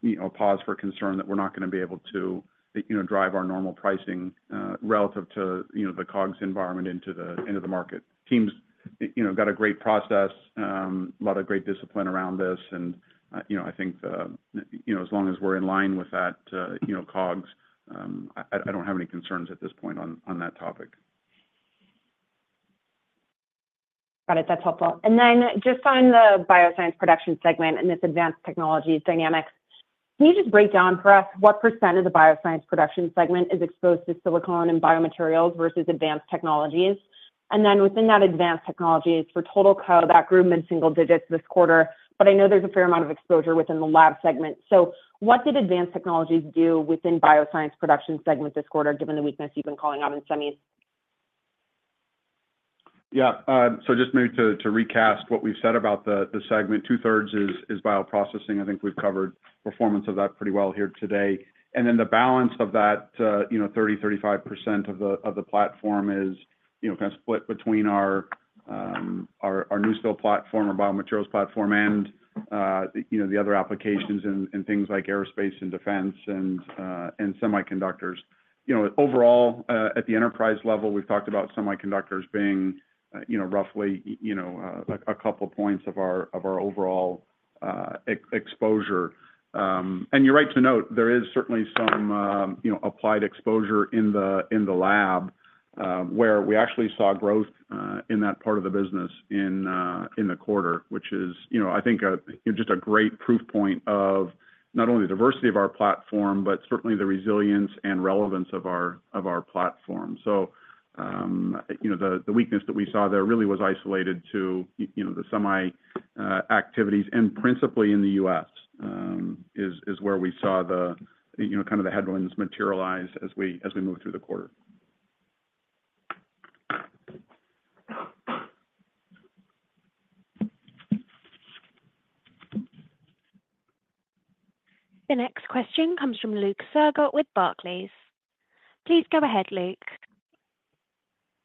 you know, pause for concern that we're not going to be able to, you know, drive our normal pricing relative to, you know, the COGS environment into the market. Teams, you know, got a great process, a lot of great discipline around this, and, you know, I think, you know, as long as we're in line with that, you know, COGS, I don't have any concerns at this point on that topic. Got it. That's helpful. And then just on the Bioscience Production segment and this Advanced Technologies dynamics, can you just break down for us what percent of the Bioscience Production segment is exposed to silicon and Biomaterials versus Advanced Technologies? And then within that Advanced Technologies, for total core that grew mid-single digits this quarter, but I know there's a fair amount of exposure within the lab segment. So what did Advanced Technologies do within Bioscience Production segment this quarter, given the weakness you've been calling out in semis? Yeah, so just maybe to recast what we've said about the segment, two-thirds is bioprocessing. I think we've covered performance of that pretty well here today. And then the balance of that, you know, 33%-35% of the platform is, you know, kind of split between our NuSil platform, our Biomaterials platform, and, you know, the other applications and things like aerospace and defense and semiconductors. You know, overall, at the enterprise level, we've talked about semiconductors being, you know, roughly, you know, a couple of points of our overall exposure. And you're right to note, there is certainly some, you know, applied exposure in the lab, where we actually saw growth in that part of the business in the quarter, which is, you know, I think, just a great proof point of not only the diversity of our platform, but certainly the resilience and relevance of our platform. So, you know, the weakness that we saw there really was isolated to, you know, the semi activities, and principally in the U.S., is where we saw the, you know, kind of the headwinds materialize as we moved through the quarter. The next question comes from Luke Sergott with Barclays. Please go ahead, Luke.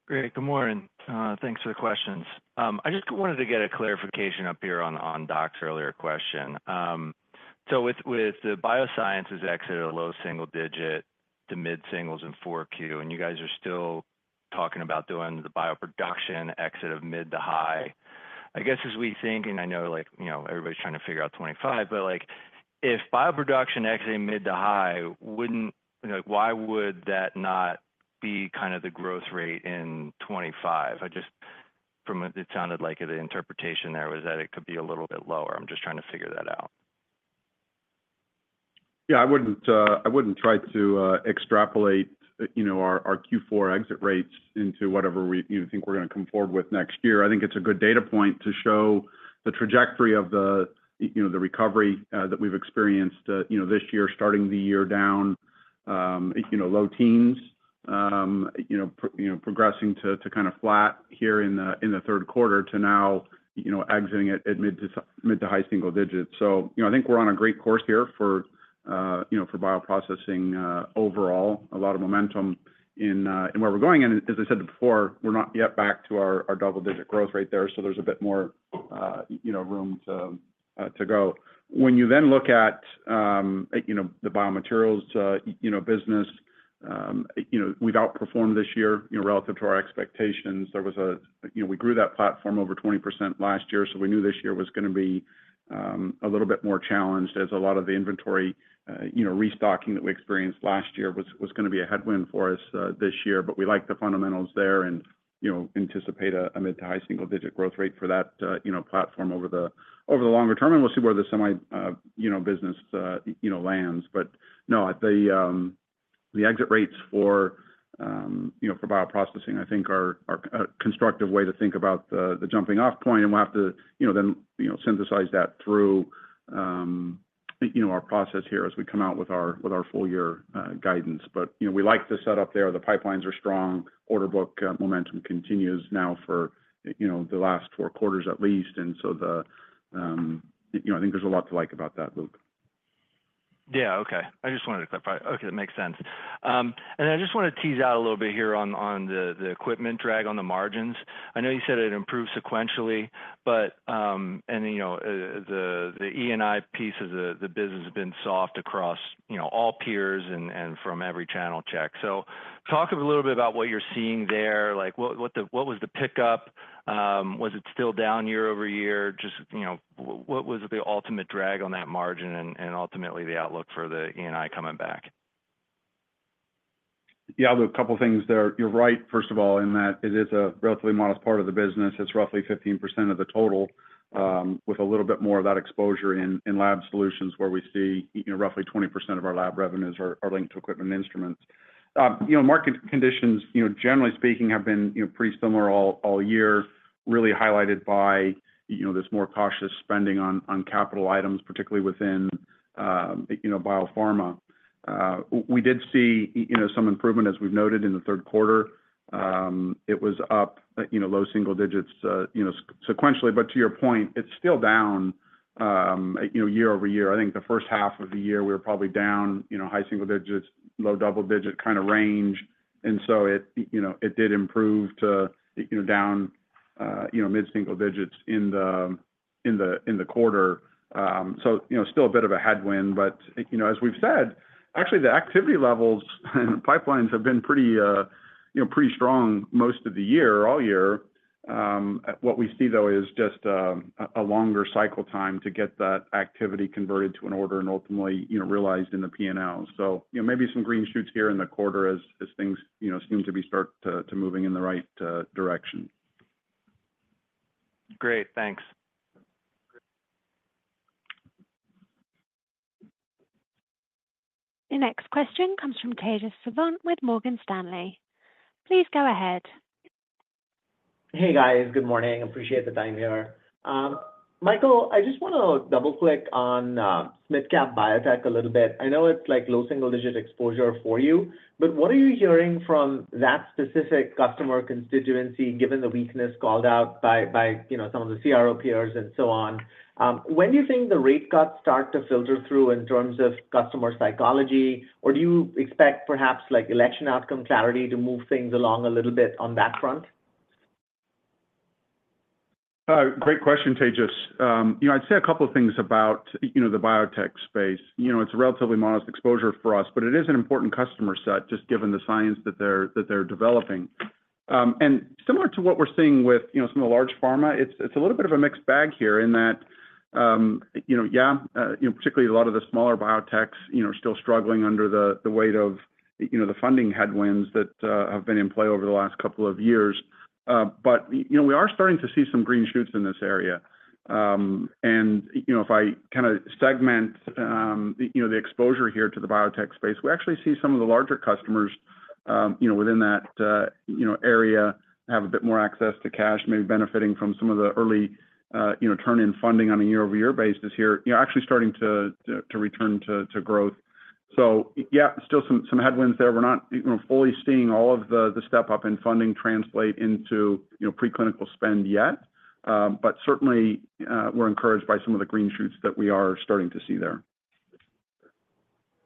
Great, good morning. Thanks for the questions. I just wanted to get a clarification up here on Dan's earlier question. So with the biosciences exit at a low single digit to mid-singles in 4Q, and you guys are still talking about doing the bioproduction exit of mid to high. I guess, as we think, and I know, like, you know, everybody's trying to figure out twenty-five, but like, if bioproduction exits mid to high, wouldn't you know, why would that not be kind of the growth rate in twenty-five? I just from a it sounded like the interpretation there was that it could be a little bit lower. I'm just trying to figure that out. Yeah, I wouldn't try to extrapolate, you know, our Q4 exit rates into whatever we, you know, think we're going to come forward with next year. I think it's a good data point to show the trajectory of the, you know, the recovery that we've experienced, you know, this year, starting the year down, you know, low teens, you know, progressing to kind of flat here in the third quarter to now, you know, exiting at mid to high single digits. So, you know, I think we're on a great course here for, you know, for bioprocessing overall, a lot of momentum in where we're going. As I said before, we're not yet back to our double-digit growth rate there, so there's a bit more, you know, room to go. When you then look at, you know, the Biomaterials, you know, business, you know, we've outperformed this year, you know, relative to our expectations. You know, we grew that platform over 20% last year, so we knew this year was gonna be a little bit more challenged as a lot of the inventory, you know, restocking that we experienced last year was gonna be a headwind for us this year. But we like the fundamentals there and, you know, anticipate a mid- to high-single-digit growth rate for that, you know, platform over the longer term, and we'll see where the semi, you know, business, you know, lands. But no, at the exit rates for, you know, for bioprocessing, I think are a constructive way to think about the jumping off point, and we'll have to, you know, then, you know, synthesize that through, you know, our process here as we come out with our full-year guidance. But, you know, we like the setup there. The pipelines are strong, order book momentum continues now for, you know, the last four quarters at least. And so, you know, I think there's a lot to like about that, Luke. Yeah, okay. I just wanted to clarify. Okay, that makes sense, and I just want to tease out a little bit here on the equipment drag on the margins. I know you said it improved sequentially, but and you know the E&I piece of the business has been soft across you know all peers and from every channel check. So talk a little bit about what you're seeing there. Like, what was the pickup? Was it still down year-over-year? Just, you know, what was the ultimate drag on that margin and ultimately, the outlook for the E&I coming back? Yeah, a couple of things there. You're right, first of all, in that it is a relatively modest part of the business. It's roughly 15% of the total, with a little bit more of that exposure in lab solutions, where we see, you know, roughly 20% of our lab revenues are linked to equipment instruments. You know, market conditions, you know, generally speaking, have been, you know, pretty similar all year, really highlighted by, you know, this more cautious spending on capital items, particularly within biopharma. We did see you know, some improvement, as we've noted in the third quarter. It was up, you know, low single digits sequentially. But to your point, it's still down year-over-year. I think the first half of the year, we were probably down, you know, high single digits, low double digit kind of range. And so it, you know, it did improve to, you know, down, mid single digits in the quarter. So, you know, still a bit of a headwind, but, you know, as we've said, actually, the activity levels and the pipelines have been pretty, you know, pretty strong most of the year, all year. What we see, though, is just a longer cycle time to get that activity converted to an order and ultimately, you know, realized in the P&L. So, you know, maybe some green shoots here in the quarter as things, you know, seem to be start to moving in the right direction. Great. Thanks. The next question comes from Tejas Savant with Morgan Stanley. Please go ahead. Hey, guys. Good morning. Appreciate the time here. Michael, I just want to double-click on mid-cap biotech a little bit. I know it's like low single digit exposure for you, but what are you hearing from that specific customer constituency, given the weakness called out by you know, some of the CRO peers and so on? When do you think the rate cuts start to filter through in terms of customer psychology? Or do you expect perhaps, like, election outcome clarity to move things along a little bit on that front? Great question, Tejas. You know, I'd say a couple of things about, you know, the biotech space. You know, it's a relatively modest exposure for us, but it is an important customer set, just given the science that they're developing, and similar to what we're seeing with, you know, some of the large pharma, it's a little bit of a mixed bag here in that, you know, particularly a lot of the smaller biotechs, you know, are still struggling under the weight of, you know, the funding headwinds that have been in play over the last couple of years, but, you know, we are starting to see some green shoots in this area. And, you know, if I kind of segment, you know, the exposure here to the biotech space, we actually see some of the larger customers, you know, within that, you know, area, have a bit more access to cash, maybe benefiting from some of the early, you know, turn in funding on a year-over-year basis here, you know, actually starting to return to growth. So, yeah, still some headwinds there. We're not, you know, fully seeing all of the step up in funding translate into, you know, preclinical spend yet. But certainly, we're encouraged by some of the green shoots that we are starting to see there.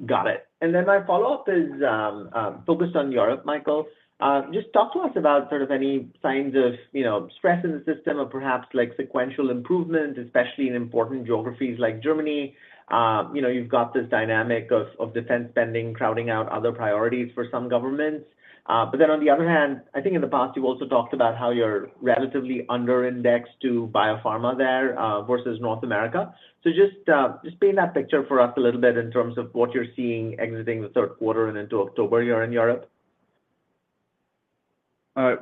Got it. And then my follow-up is, focused on Europe, Michael. Just talk to us about sort of any signs of, you know, stress in the system or perhaps like, sequential improvement, especially in important geographies like Germany. You know, you've got this dynamic of defense spending, crowding out other priorities for some governments. But then on the other hand, I think in the past, you've also talked about how you're relatively under indexed to biopharma there, versus North America. So just paint that picture for us a little bit in terms of what you're seeing exiting the third quarter and into October here in Europe.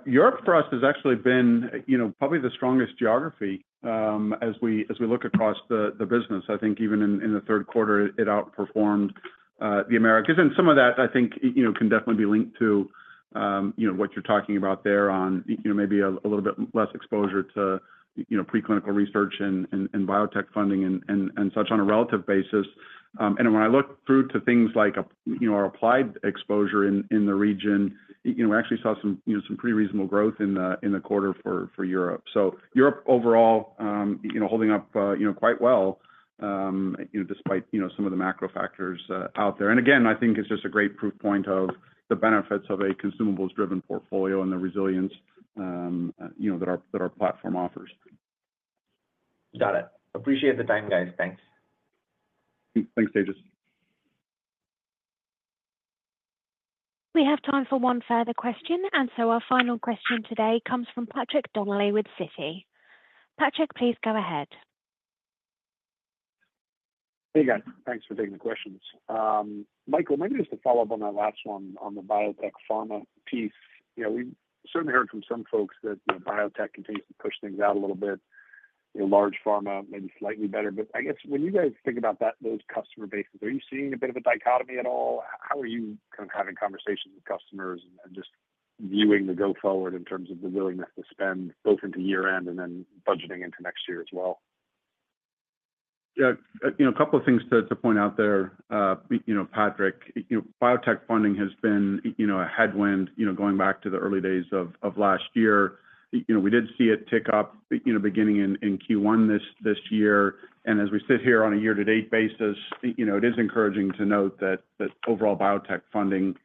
Europe, for us, has actually been, you know, probably the strongest geography, as we look across the business. I think even in the third quarter, it outperformed the Americas, and some of that, I think, you know, can definitely be linked to, you know, what you're talking about there on, you know, maybe a little bit less exposure to, you know, preclinical research and biotech funding and such on a relative basis, and when I look through to things like, you know, our applied exposure in the region, you know, we actually saw some, you know, some pretty reasonable growth in the quarter for Europe, so Europe overall, you know, holding up, you know, quite well, you know, despite, you know, some of the macro factors out there. And again, I think it's just a great proof point of the benefits of a consumables-driven portfolio and the resilience, you know, that our platform offers. Got it. Appreciate the time, guys. Thanks. Thanks, Tejas. We have time for one further question, and so our final question today comes from Patrick Donnelly with Citi. Patrick, please go ahead. Hey, guys. Thanks for taking the questions. Michael, maybe just to follow up on that last one, on the biotech pharma piece. You know, we've certainly heard from some folks that, you know, biotech continues to push things out a little bit. Large pharma, maybe slightly better. But I guess when you guys think about that, those customer bases, are you seeing a bit of a dichotomy at all? How are you kind of having conversations with customers and just viewing the go forward in terms of the willingness to spend both into year-end and then budgeting into next year as well? Yeah, you know, a couple of things to point out there, you know, Patrick. You know, biotech funding has been, you know, a headwind, you know, going back to the early days of last year. You know, we did see it tick up, you know, beginning in Q1 this year, and as we sit here on a year-to-date basis, you know, it is encouraging to note that overall biotech funding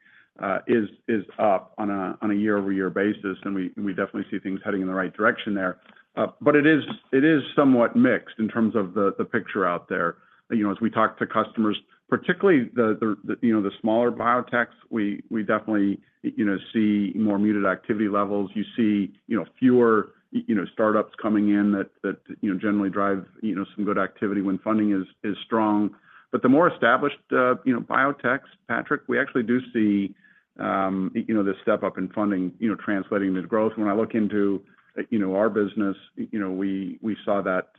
is up on a year-over-year basis, and we definitely see things heading in the right direction there, but it is somewhat mixed in terms of the picture out there. You know, as we talk to customers, particularly the you know, the smaller biotechs, we definitely you know, see more muted activity levels. You see, you know, fewer, you know, startups coming in that you know generally drive, you know, some good activity when funding is strong. But the more established, you know, biotechs, Patrick, we actually do see, you know, this step up in funding, you know, translating into growth. When I look into, you know, our business, you know, we saw that,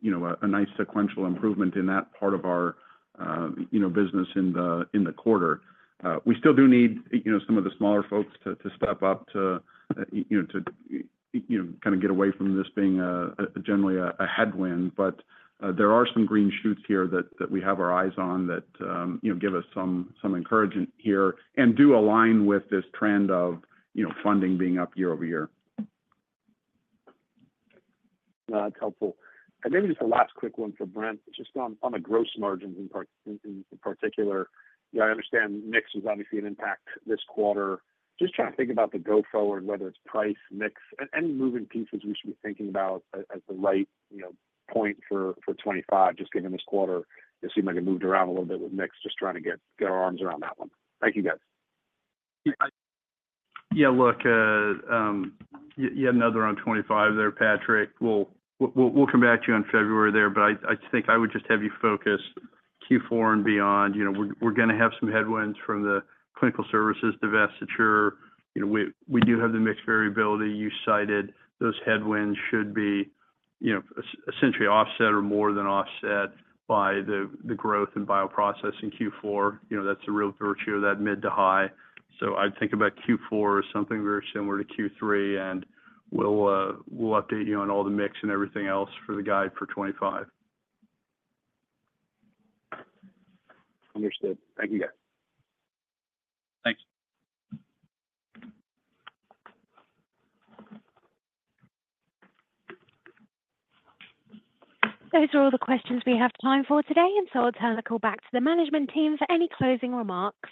you know, a nice sequential improvement in that part of our, you know, business in the quarter. We still do need, you know, some of the smaller folks to step up to, you know, kind of get away from this being generally a headwind. But, there are some green shoots here that we have our eyes on that, you know, give us some encouragement here and do align with this trend of, you know, funding being up year-over-year. That's helpful. And maybe just a last quick one for Brent, just on the gross margins in particular. Yeah, I understand mix was obviously an impact this quarter. Just trying to think about the go forward, whether it's price, mix, any moving pieces we should be thinking about as the right, you know, point for 2025, just given this quarter, it seemed like it moved around a little bit with mix. Just trying to get our arms around that one. Thank you, guys. Yeah, look, you had another on 2025 there, Patrick. We'll come back to you on February there, but I think I would just have you focus Q4 and beyond. You know, we're going to have some headwinds from the clinical services divestiture. You know, we do have the mix variability you cited. Those headwinds should be, you know, essentially offset or more than offset by the growth in Bioprocessing Q4. You know, that's the real virtue of that mid to high. So I'd think about Q4 as something very similar to Q3, and we'll update you on all the mix and everything else for the guide for 2025. Understood. Thank you, guys. Thanks. Those are all the questions we have time for today, and so I'll turn the call back to the management team for any closing remarks.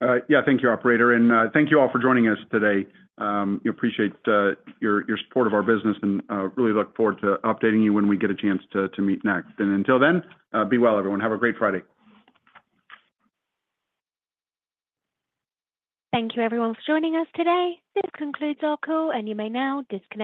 Yeah, thank you, operator, and thank you all for joining us today. We appreciate your support of our business and really look forward to updating you when we get a chance to meet next, and until then, be well, everyone. Have a great Friday. Thank you everyone for joining us today. This concludes our call, and you may now disconnect.